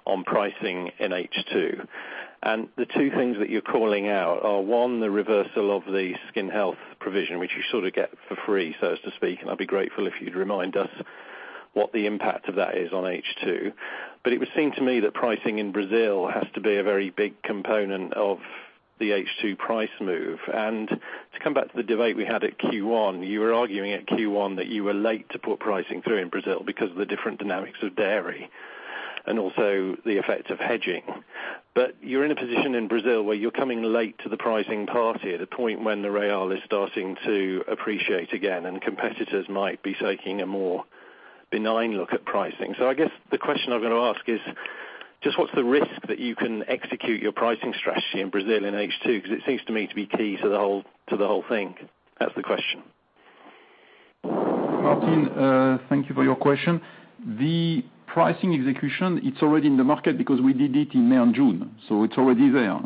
on pricing in H2. The two things that you're calling out are, one, the reversal of the Nestlé Skin Health provision, which you sort of get for free, so to speak, and I'd be grateful if you'd remind us what the impact of that is on H2. It would seem to me that pricing in Brazil has to be a very big component of the H2 price move. To come back to the debate we had at Q1, you were arguing at Q1 that you were late to put pricing through in Brazil because of the different dynamics of dairy and also the effect of hedging. You're in a position in Brazil where you're coming late to the pricing party at a point when the real is starting to appreciate again, and competitors might be taking a more benign look at pricing. I guess the question I'm going to ask is just what's the risk that you can execute your pricing strategy in Brazil in H2? Because it seems to me to be key to the whole thing. That's the question. Martin, thank you for your question. The pricing execution, it's already in the market because we did it in May and June, it's already there.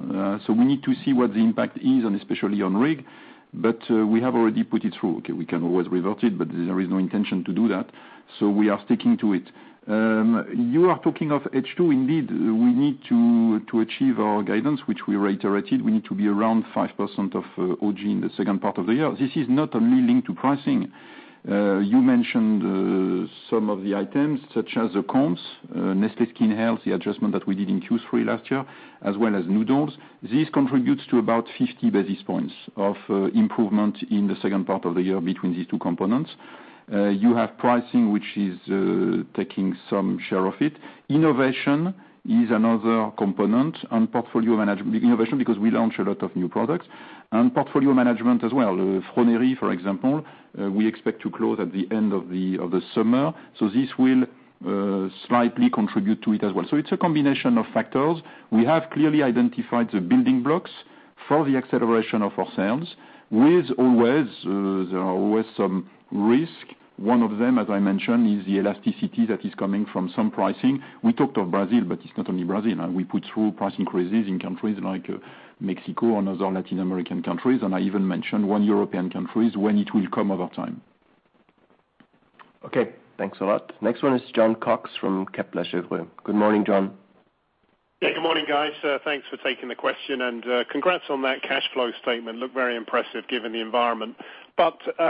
We need to see what the impact is, and especially on RIG, we have already put it through. Okay, we can always revert it, there is no intention to do that. We are sticking to it. You are talking of H2. Indeed, we need to achieve our guidance, which we reiterated. We need to be around 5% of OG in the second part of the year. This is not only linked to pricing. You mentioned some of the items, such as the comps, Nestlé Skin Health, the adjustment that we did in Q3 last year, as well as noodles. This contributes to about 50 basis points of improvement in the second part of the year between these two components. You have pricing, which is taking some share of it. Innovation is another component and portfolio management innovation because we launched a lot of new products and portfolio management as well. Fraisier, for example, we expect to close at the end of the summer. This will slightly contribute to it as well. It's a combination of factors. We have clearly identified the building blocks for the acceleration of our sales with always some risk. One of them, as I mentioned, is the elasticity that is coming from some pricing. We talked of Brazil, it's not only Brazil. We put through price increases in countries like Mexico and other Latin American countries, and I even mentioned one European country when it will come over time. Okay, thanks a lot. Next one is Jon Cox from Kepler Cheuvreux. Good morning, Jon. Yeah. Good morning, guys. Thanks for taking the question, congrats on that cash flow statement. Looked very impressive given the environment.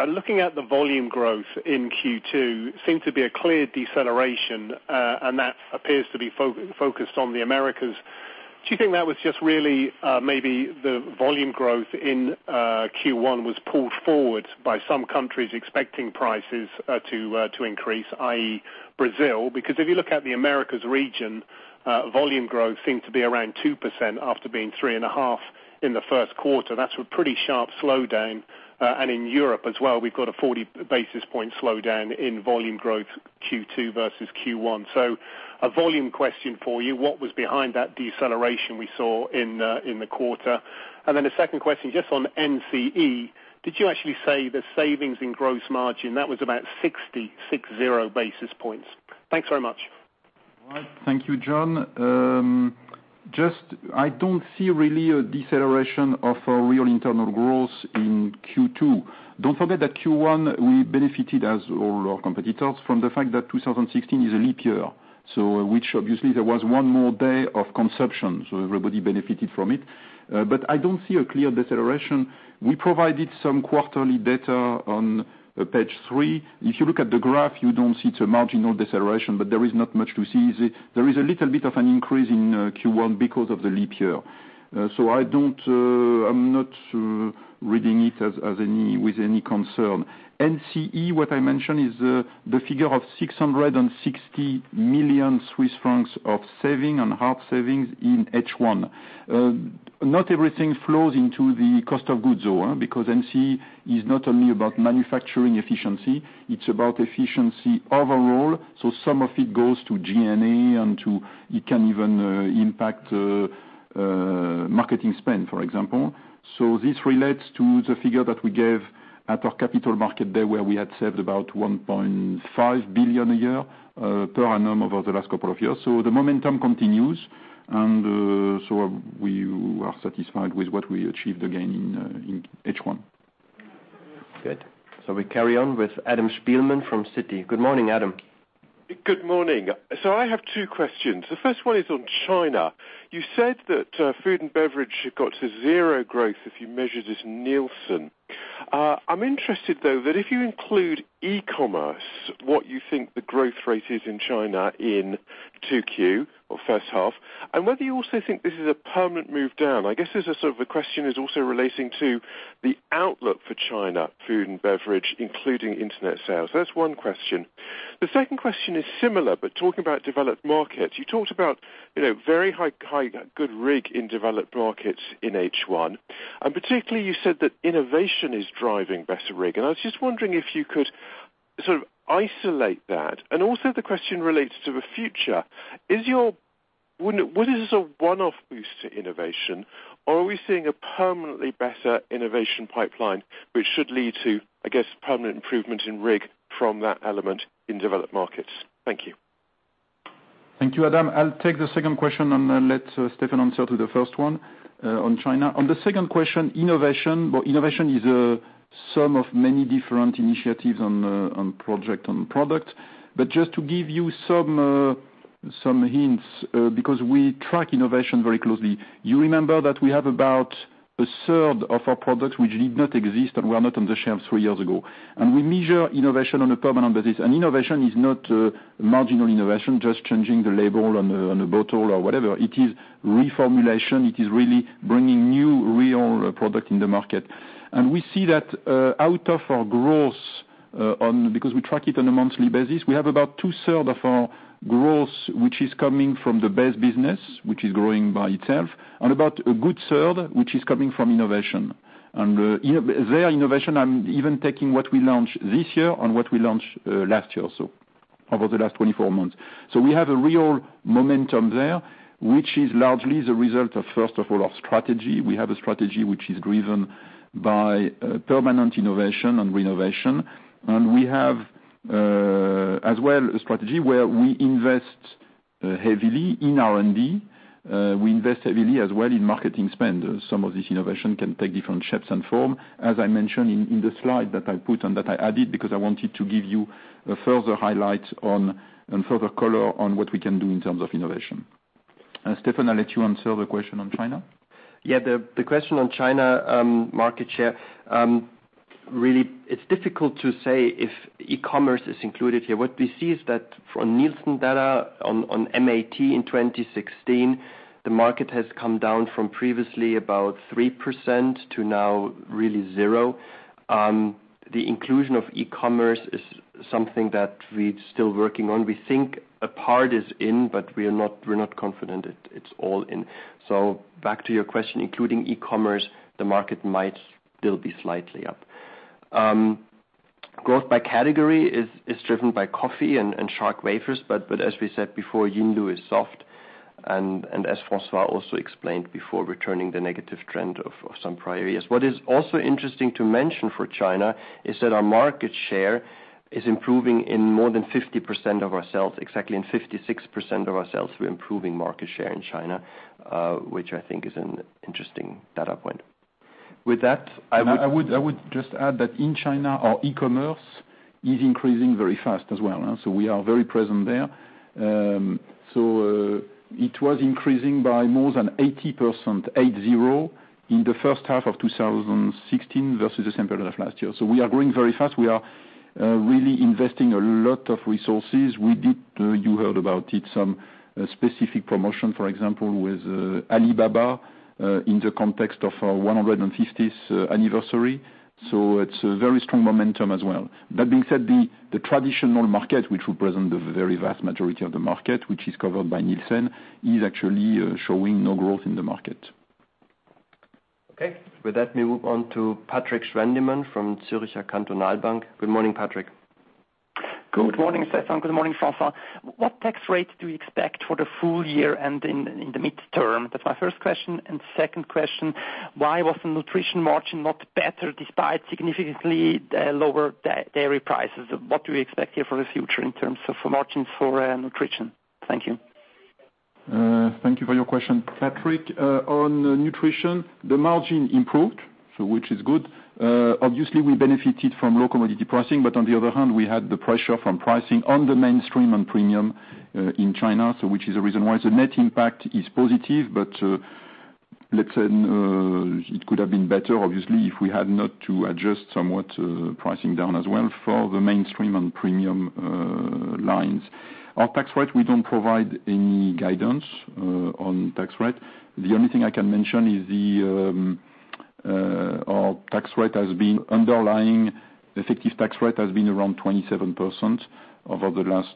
Looking at the volume growth in Q2, seemed to be a clear deceleration, and that appears to be focused on the Americas. Do you think that was just really maybe the volume growth in Q1 was pulled forward by some countries expecting prices to increase, i.e., Brazil? If you look at the Americas region, volume growth seemed to be around 2% after being 3.5% in the first quarter. That's a pretty sharp slowdown. In Europe as well, we've got a 40 basis points slowdown in volume growth Q2 versus Q1. A volume question for you, what was behind that deceleration we saw in the quarter? A second question, just on NCE, did you actually say the savings in gross margin, that was about 60, six zero, basis points? Thanks very much. All right. Thank you, Jon. I don't see really a deceleration of our Real Internal Growth in Q2. Don't forget that Q1, we benefited, as all our competitors, from the fact that 2016 is a leap year, which obviously there was one more day of consumption, everybody benefited from it. I don't see a clear deceleration. We provided some quarterly data on page three. If you look at the graph, you don't see it's a marginal deceleration, there is not much to see. There is a little bit of an increase in Q1 because of the leap year. I'm not reading it with any concern. NCE, what I mentioned is the figure of 660 million Swiss francs of saving on half savings in H1. Not everything flows into the cost of goods though, because NCE is not only about manufacturing efficiency, it's about efficiency overall. Some of it goes to G&A and it can even impact marketing spend, for example. This relates to the figure that we gave at our capital market day where we had saved about 1.5 billion a year, per annum over the last couple of years. The momentum continues, we are satisfied with what we achieved again in H1. Good. We carry on with Adam Spielman from Citi. Good morning, Adam. Good morning. I have two questions. The first one is on China. You said that food and beverage had got to zero growth if you measured it in Nielsen. I'm interested, though, that if you include e-commerce, what you think the growth rate is in China in 2Q or first half, and whether you also think this is a permanent move down. I guess there's a sort of a question is also relating to the outlook for China food and beverage, including internet sales. That's one question. The second question is similar, but talking about developed markets. You talked about very high, good RIG in developed markets in H1, and particularly you said that innovation is driving better RIG. I was just wondering if you could sort of isolate that. Also the question relates to the future. Was this a one-off boost to innovation, or are we seeing a permanently better innovation pipeline, which should lead to, I guess, permanent improvement in RIG from that element in developed markets? Thank you. Thank you, Adam. I'll take the second question and then let Stefan answer to the first one on China. On the second question, innovation. Well, innovation is a sum of many different initiatives on project, on product. Just to give you some hints, because we track innovation very closely, you remember that we have about a third of our products which did not exist and were not on the shelf three years ago. We measure innovation on a permanent basis. Innovation is not marginal innovation, just changing the label on a bottle or whatever. It is reformulation. It is really bringing new real product in the market. We see that out of our growth, because we track it on a monthly basis, we have about two third of our growth, which is coming from the base business, which is growing by itself, and about a good third, which is coming from innovation. There innovation, I'm even taking what we launched this year and what we launched last year, so over the last 24 months. We have a real momentum there, which is largely the result of, first of all, our strategy. We have a strategy which is driven by permanent innovation and renovation. We have, as well, a strategy where we invest heavily in R&D. We invest heavily as well in marketing spend. Some of this innovation can take different shapes and form, as I mentioned in the slide that I put and that I added because I wanted to give you a further highlight and further color on what we can do in terms of innovation. Stefan, I'll let you answer the question on China. Yeah, the question on China market share, really it's difficult to say if e-commerce is included here. What we see is that from Nielsen data on MAT in 2016, the market has come down from previously about 3% to now really zero. The inclusion of e-commerce is something that we're still working on. We think a part is in, but we're not confident it's all in. Back to your question, including e-commerce, the market might still be slightly up. Growth by category is driven by coffee and Crispy Shark, but as we said before, Yinlu is soft, and as François also explained before, we're turning the negative trend of some prior years. What is also interesting to mention for China is that our market share is improving in more than 50% of our sales. Exactly in 56% of our sales, we're improving market share in China, which I think is an interesting data point. With that, I would just add that in China, our e-commerce is increasing very fast as well. We are very present there. It was increasing by more than 80% in the first half of 2016 versus the same period of last year. We are growing very fast. We are really investing a lot of resources. You heard about it, some specific promotion, for example, with Alibaba, in the context of our 150th anniversary. It's a very strong momentum as well. That being said, the traditional market, which represents the very vast majority of the market, which is covered by Nielsen, is actually showing no growth in the market. Okay. With that, we move on to Patrik Schwendimann from Zürcher Kantonalbank. Good morning, Patrik. Good morning, Steffen. Good morning, François. What tax rates do you expect for the full year and in the midterm? That's my first question. Second question, why was the nutrition margin not better despite significantly lower dairy prices? What do you expect here for the future in terms of margins for nutrition? Thank you. Thank you for your question, Patrik. On nutrition, the margin improved, which is good. Obviously, we benefited from low commodity pricing, but on the other hand, we had the pressure from pricing on the mainstream and premium in China. Which is a reason why the net impact is positive, but let's say it could have been better, obviously, if we had not to adjust somewhat pricing down as well for the mainstream and premium lines. Our tax rate, we don't provide any guidance on tax rate. The only thing I can mention is our underlying effective tax rate has been around 27% over the last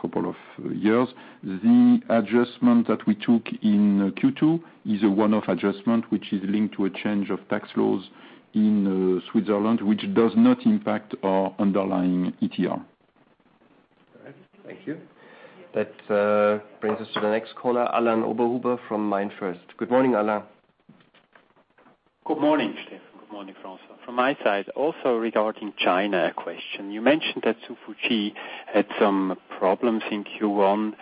couple of years. The adjustment that we took in Q2 is a one-off adjustment, which is linked to a change of tax laws in Switzerland, which does not impact our underlying ETR. All right. Thank you. That brings us to the next caller, Alain Oberhuber from MainFirst. Good morning, Alain. Good morning, Steffen. Good morning, François. From my side, also regarding China, a question. You mentioned that Totole had some problems in Q1,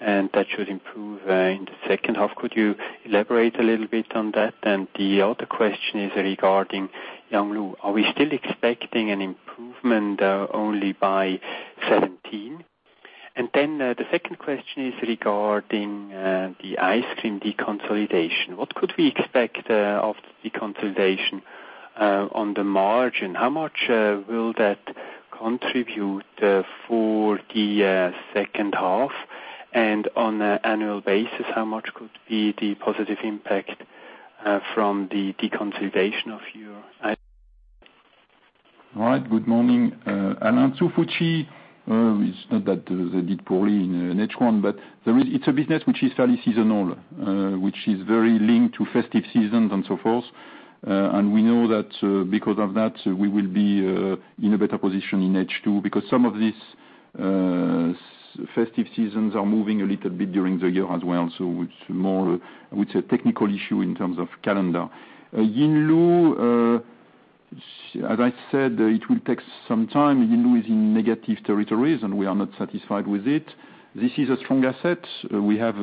and that should improve in the second half. Could you elaborate a little bit on that? The other question is regarding Yinlu. Are we still expecting an improvement only by 2017? The second question is regarding the ice cream deconsolidation. What could we expect of the deconsolidation on the margin? How much will that contribute for the second half? On an annual basis, how much could be the positive impact from the deconsolidation of your ice cream? All right. Good morning, Alain. Totole, it's not that they did poorly in H1, but it's a business which is fairly seasonal, which is very linked to festive seasons and so forth. We know that because of that, we will be in a better position in H2 because some of these festive seasons are moving a little bit during the year as well. It's more a technical issue in terms of calendar. Yinlu, as I said, it will take some time. Yinlu is in negative territories, and we are not satisfied with it. This is a strong asset. We have,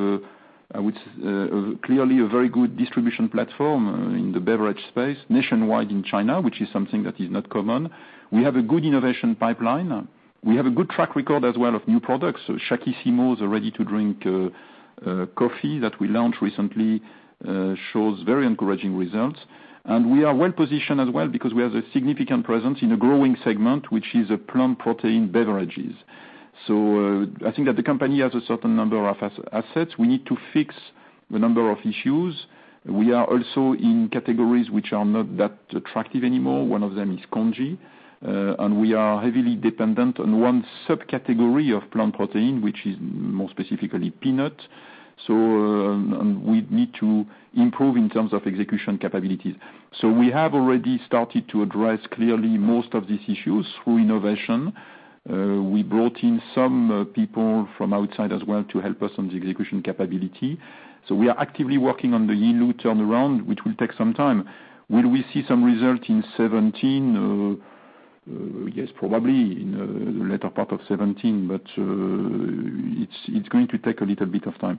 clearly, a very good distribution platform in the beverage space nationwide in China, which is something that is not common. We have a good innovation pipeline. We have a good track record as well of new products. Shakissimo, a ready-to-drink coffee that we launched recently, shows very encouraging results. We are well-positioned as well because we have a significant presence in a growing segment, which is plant protein beverages. I think that the company has a certain number of assets. We need to fix a number of issues. We are also in categories which are not that attractive anymore. One of them is congee. We are heavily dependent on one subcategory of plant protein, which is more specifically peanut. We need to improve in terms of execution capabilities. We have already started to address, clearly, most of these issues through innovation. We brought in some people from outside as well to help us on the execution capability. We are actively working on the Yinlu turnaround, which will take some time. Will we see some result in 2017? Yes, probably in the latter part of 2017, it's going to take a little bit of time.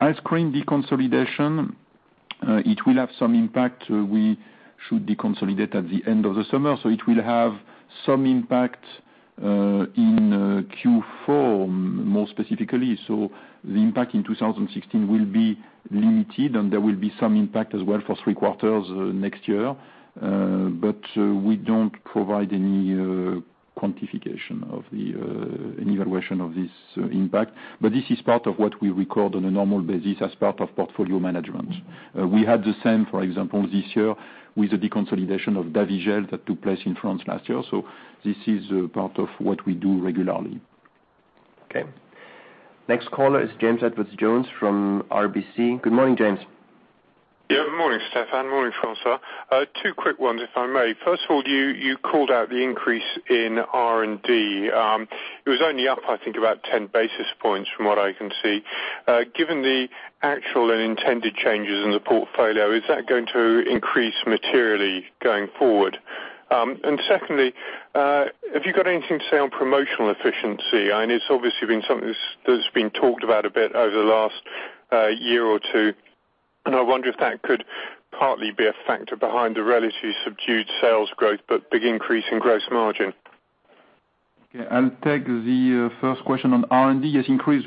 Ice cream deconsolidation, it will have some impact. We should deconsolidate at the end of the summer, it will have some impact in Q4, more specifically. The impact in 2016 will be limited, and there will be some impact as well for three quarters next year. We don't provide any quantification of the evaluation of this impact. This is part of what we record on a normal basis as part of portfolio management. We had the same, for example, this year with the deconsolidation of Davigel that took place in France last year. This is part of what we do regularly. Okay. Next caller is James Edwardes Jones from RBC. Good morning, James. Yeah, good morning, Steffen. Morning, François. Two quick ones, if I may. First of all, you called out the increase in R&D. It was only up, I think, about 10 basis points from what I can see. Given the actual and intended changes in the portfolio, is that going to increase materially going forward? Secondly, have you got anything to say on promotional efficiency? It's obviously been something that's been talked about a bit over the last year or two, big increase in gross margin. Okay, I'll take the first question on R&D. Yes, indeed,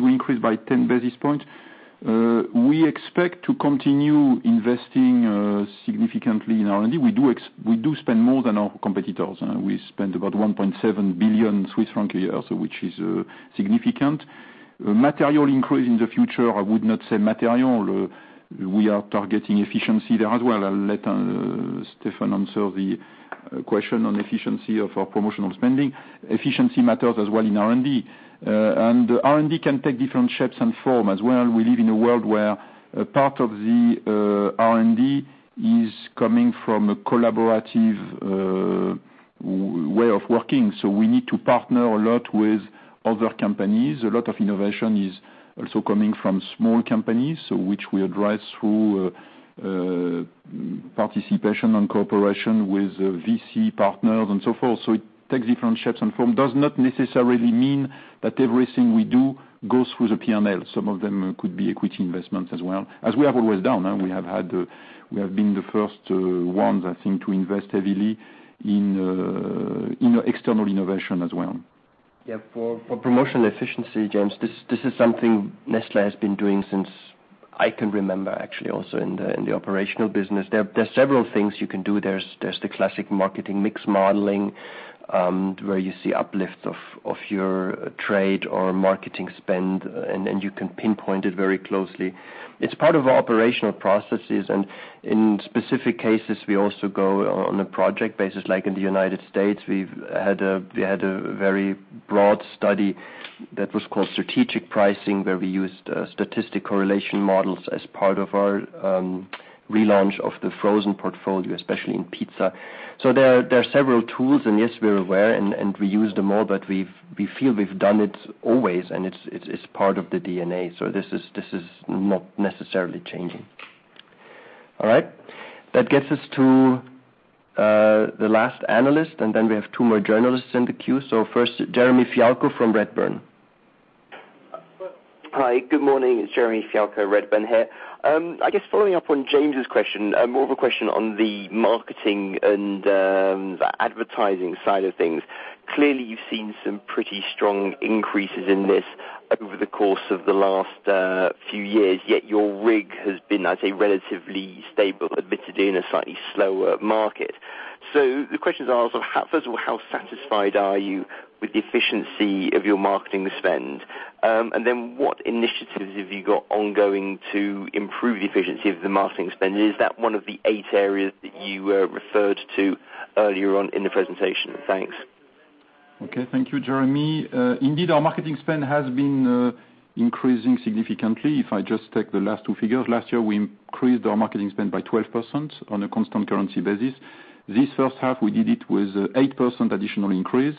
we increased by 10 basis points. We expect to continue investing significantly in R&D. We do spend more than our competitors. We spend about 1.7 billion Swiss francs a year, which is significant. Material increase in the future, I would not say material. We are targeting efficiency there as well. I'll let Steffen answer the question on efficiency of our promotional spending. Efficiency matters as well in R&D. R&D can take different shapes and form as well. We live in a world where part of the R&D is coming from a collaborative way of working, so we need to partner a lot with other companies. A lot of innovation is also coming from small companies, which we address through participation and cooperation with VC partners and so forth. It takes different shapes and form. Does not necessarily mean that everything we do goes through the P&L. Some of them could be equity investments as well, as we have always done. We have been the first ones, I think, to invest heavily in external innovation as well. For promotional efficiency, James, this is something Nestlé has been doing since I can remember, actually, also in the operational business. There are several things you can do. There is the classic marketing mix modeling, where you see uplift of your trade or marketing spend, and you can pinpoint it very closely. It is part of our operational processes, and in specific cases, we also go on a project basis. Like in the U.S., we had a very broad study that was called Strategic Pricing, where we used statistical correlation models as part of our relaunch of the frozen portfolio, especially in pizza. There are several tools, and yes, we are aware, and we use them all, but we feel we have done it always, and it is part of the DNA. This is not necessarily changing. All right. That gets us to the last analyst, and then we have two more journalists in the queue. First, Jeremy Fialko from Redburn. Hi, good morning. It's Jeremy Fialko, Redburn here. I guess following up on James's question, more of a question on the marketing and advertising side of things. Clearly, you've seen some pretty strong increases in this over the course of the last few years, yet your RIG has been, I'd say, relatively stable, admittedly in a slightly slower market. The question is first of all, how satisfied are you with the efficiency of your marketing spend? What initiatives have you got ongoing to improve the efficiency of the marketing spend? Is that one of the eight areas that you referred to earlier on in the presentation? Thanks. Okay. Thank you, Jeremy. Indeed, our marketing spend has been increasing significantly. If I just take the last two figures, last year we increased our marketing spend by 12% on a constant currency basis. This first half we did it with 8% additional increase.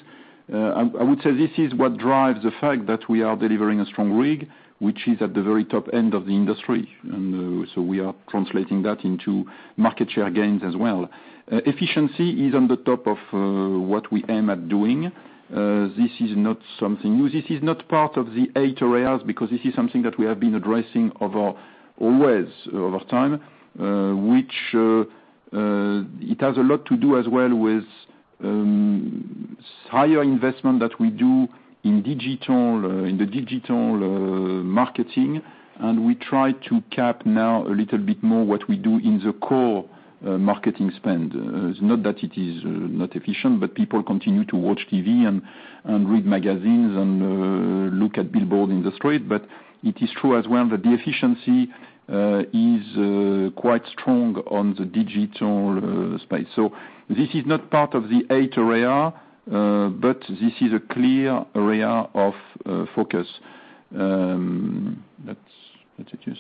I would say this is what drives the fact that we are delivering a strong RIG, which is at the very top end of the industry. We are translating that into market share gains as well. Efficiency is on the top of what we aim at doing. This is not something new. This is not part of the eight areas because this is something that we have been addressing always over time, which it has a lot to do as well with higher investment that we do in the digital marketing. We try to cap now a little bit more what we do in the core marketing spend. It's not that it is not efficient, but people continue to watch TV and read magazines and look at billboards in the street. It is true as well that the efficiency is quite strong on the digital space. This is not part of the eight area, but this is a clear area of focus. That's it.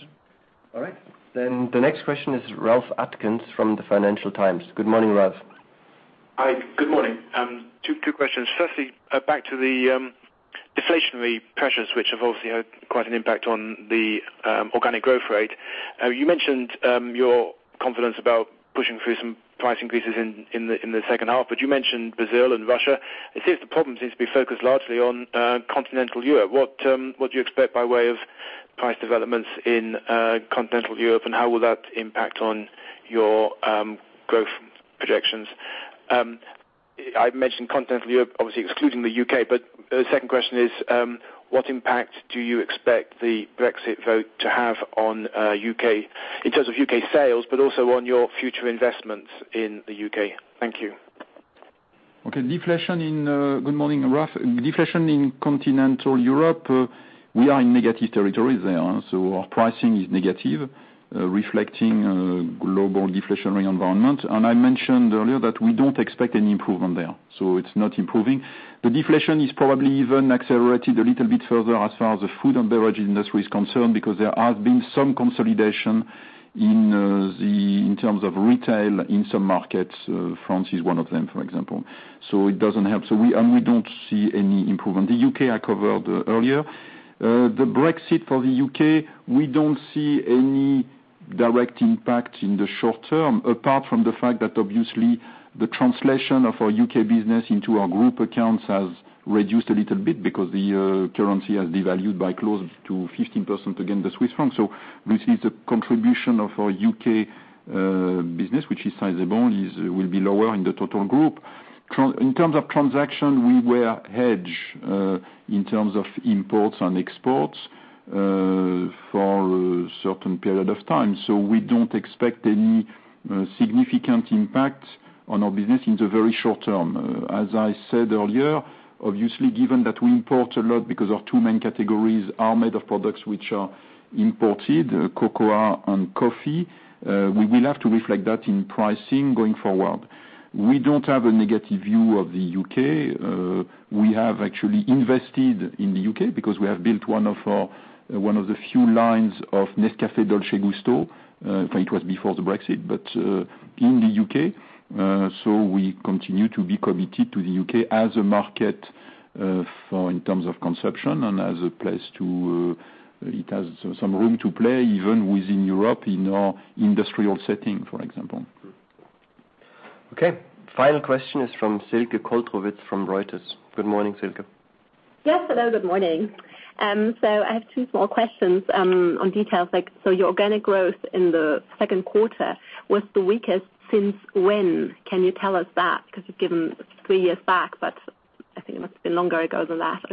All right. The next question is Ralph Atkins from the Financial Times. Good morning, Ralph. Hi, good morning. Two questions. Firstly, back to the deflationary pressures, which have obviously had quite an impact on the organic growth rate. You mentioned your confidence about pushing through some price increases in the second half, but you mentioned Brazil and Russia. It seems the problem seems to be focused largely on continental Europe. What do you expect by way of price developments in continental Europe, and how will that impact on your growth projections? I've mentioned continental Europe, obviously excluding the U.K., but the second question is, what impact do you expect the Brexit vote to have in terms of U.K. sales, but also on your future investments in the U.K.? Thank you. Okay. Good morning, Ralph. Deflation in continental Europe, we are in negative territories there, so our pricing is negative, reflecting a global deflationary environment. I mentioned earlier that we don't expect any improvement there. It's not improving. The deflation is probably even accelerated a little bit further as far as the food and beverage industry is concerned because there has been some consolidation in terms of retail in some markets. France is one of them, for example. It doesn't help. We don't see any improvement. The U.K. I covered earlier. The Brexit for the U.K., we don't see any direct impact in the short term, apart from the fact that obviously the translation of our U.K. business into our group accounts has reduced a little bit because the currency has devalued by close to 15% against the Swiss franc. We see the contribution of our U.K. business, which is sizable, will be lower in the total group. In terms of transaction, we were hedged in terms of imports and exports, for a certain period of time. We don't expect any significant impact on our business in the very short term. As I said earlier, obviously, given that we import a lot because our two main categories are made of products which are imported, cocoa and coffee, we will have to reflect that in pricing going forward. We don't have a negative view of the U.K. We have actually invested in the U.K. because we have built one of the few lines of Nescafé Dolce Gusto, in fact, it was before the Brexit, but in the U.K. We continue to be committed to the U.K. as a market in terms of consumption and as a place. It has some room to play even within Europe in our industrial setting, for example. Okay. Final question is from Silke Koltrowitz from Reuters. Good morning, Silke. Yes. Hello, good morning. I have two small questions on details. Your organic growth in the second quarter was the weakest since when? Can you tell us that? Because you've given three years back, but I think it must have been longer ago than last.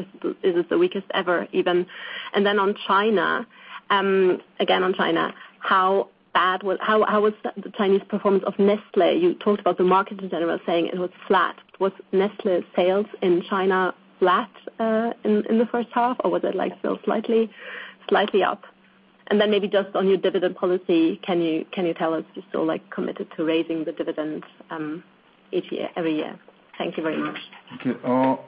Is this the weakest ever, even? On China, again, on China, how was the Chinese performance of Nestlé? You talked about the market in general saying it was flat. Was Nestlé sales in China flat in the first half, or was it still slightly up? Maybe just on your dividend policy, can you tell us if you're still committed to raising the dividends every year? Thank you very much. Okay.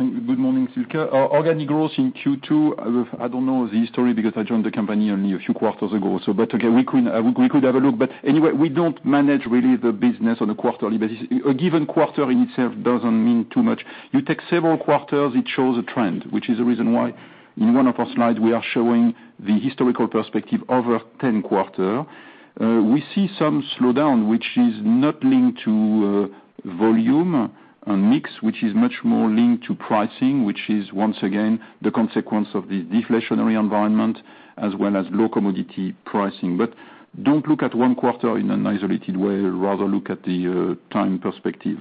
Good morning, Silke. Our organic growth in Q2, I don't know the history because I joined the company only a few quarters ago. Again, we could have a look, but anyway, we don't manage really the business on a quarterly basis. A given quarter in itself doesn't mean too much. You take several quarters, it shows a trend, which is the reason why in one of our slides, we are showing the historical perspective over 10 quarters. We see some slowdown, which is not linked to volume and mix, which is much more linked to pricing, which is once again, the consequence of the deflationary environment as well as low commodity pricing. Don't look at one quarter in an isolated way, rather look at the time perspective.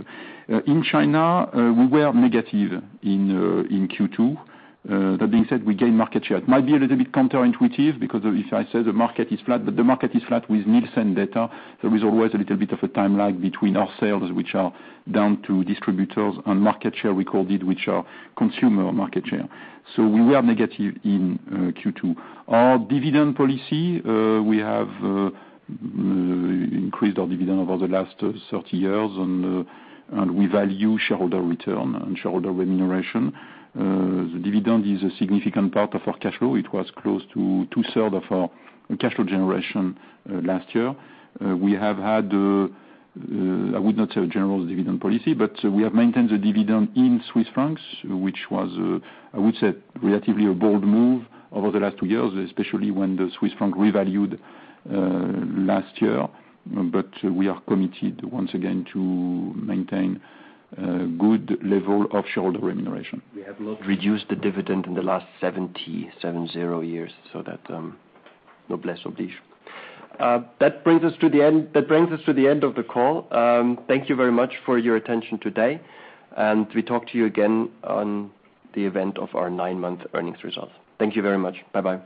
In China, we were negative in Q2. That being said, we gained market share. It might be a little bit counterintuitive because if I say the market is flat, but the market is flat with Nielsen data, there is always a little bit of a time lag between our sales, which are down to distributors and market share recorded, which are consumer market share. We were negative in Q2. Our dividend policy, we have increased our dividend over the last 30 years, and we value shareholder return and shareholder remuneration. The dividend is a significant part of our cash flow. It was close to two-third of our cash flow generation last year. We have had, I would not say a general dividend policy, we have maintained the dividend in Swiss francs, which was, I would say, relatively a bold move over the last two years, especially when the Swiss franc revalued last year. We are committed once again to maintain good level of shareholder remuneration. We have not reduced the dividend in the last 70, seven zero years, so that no less of this. That brings us to the end of the call. Thank you very much for your attention today, and we talk to you again on the event of our nine-month earnings results. Thank you very much. Bye-bye.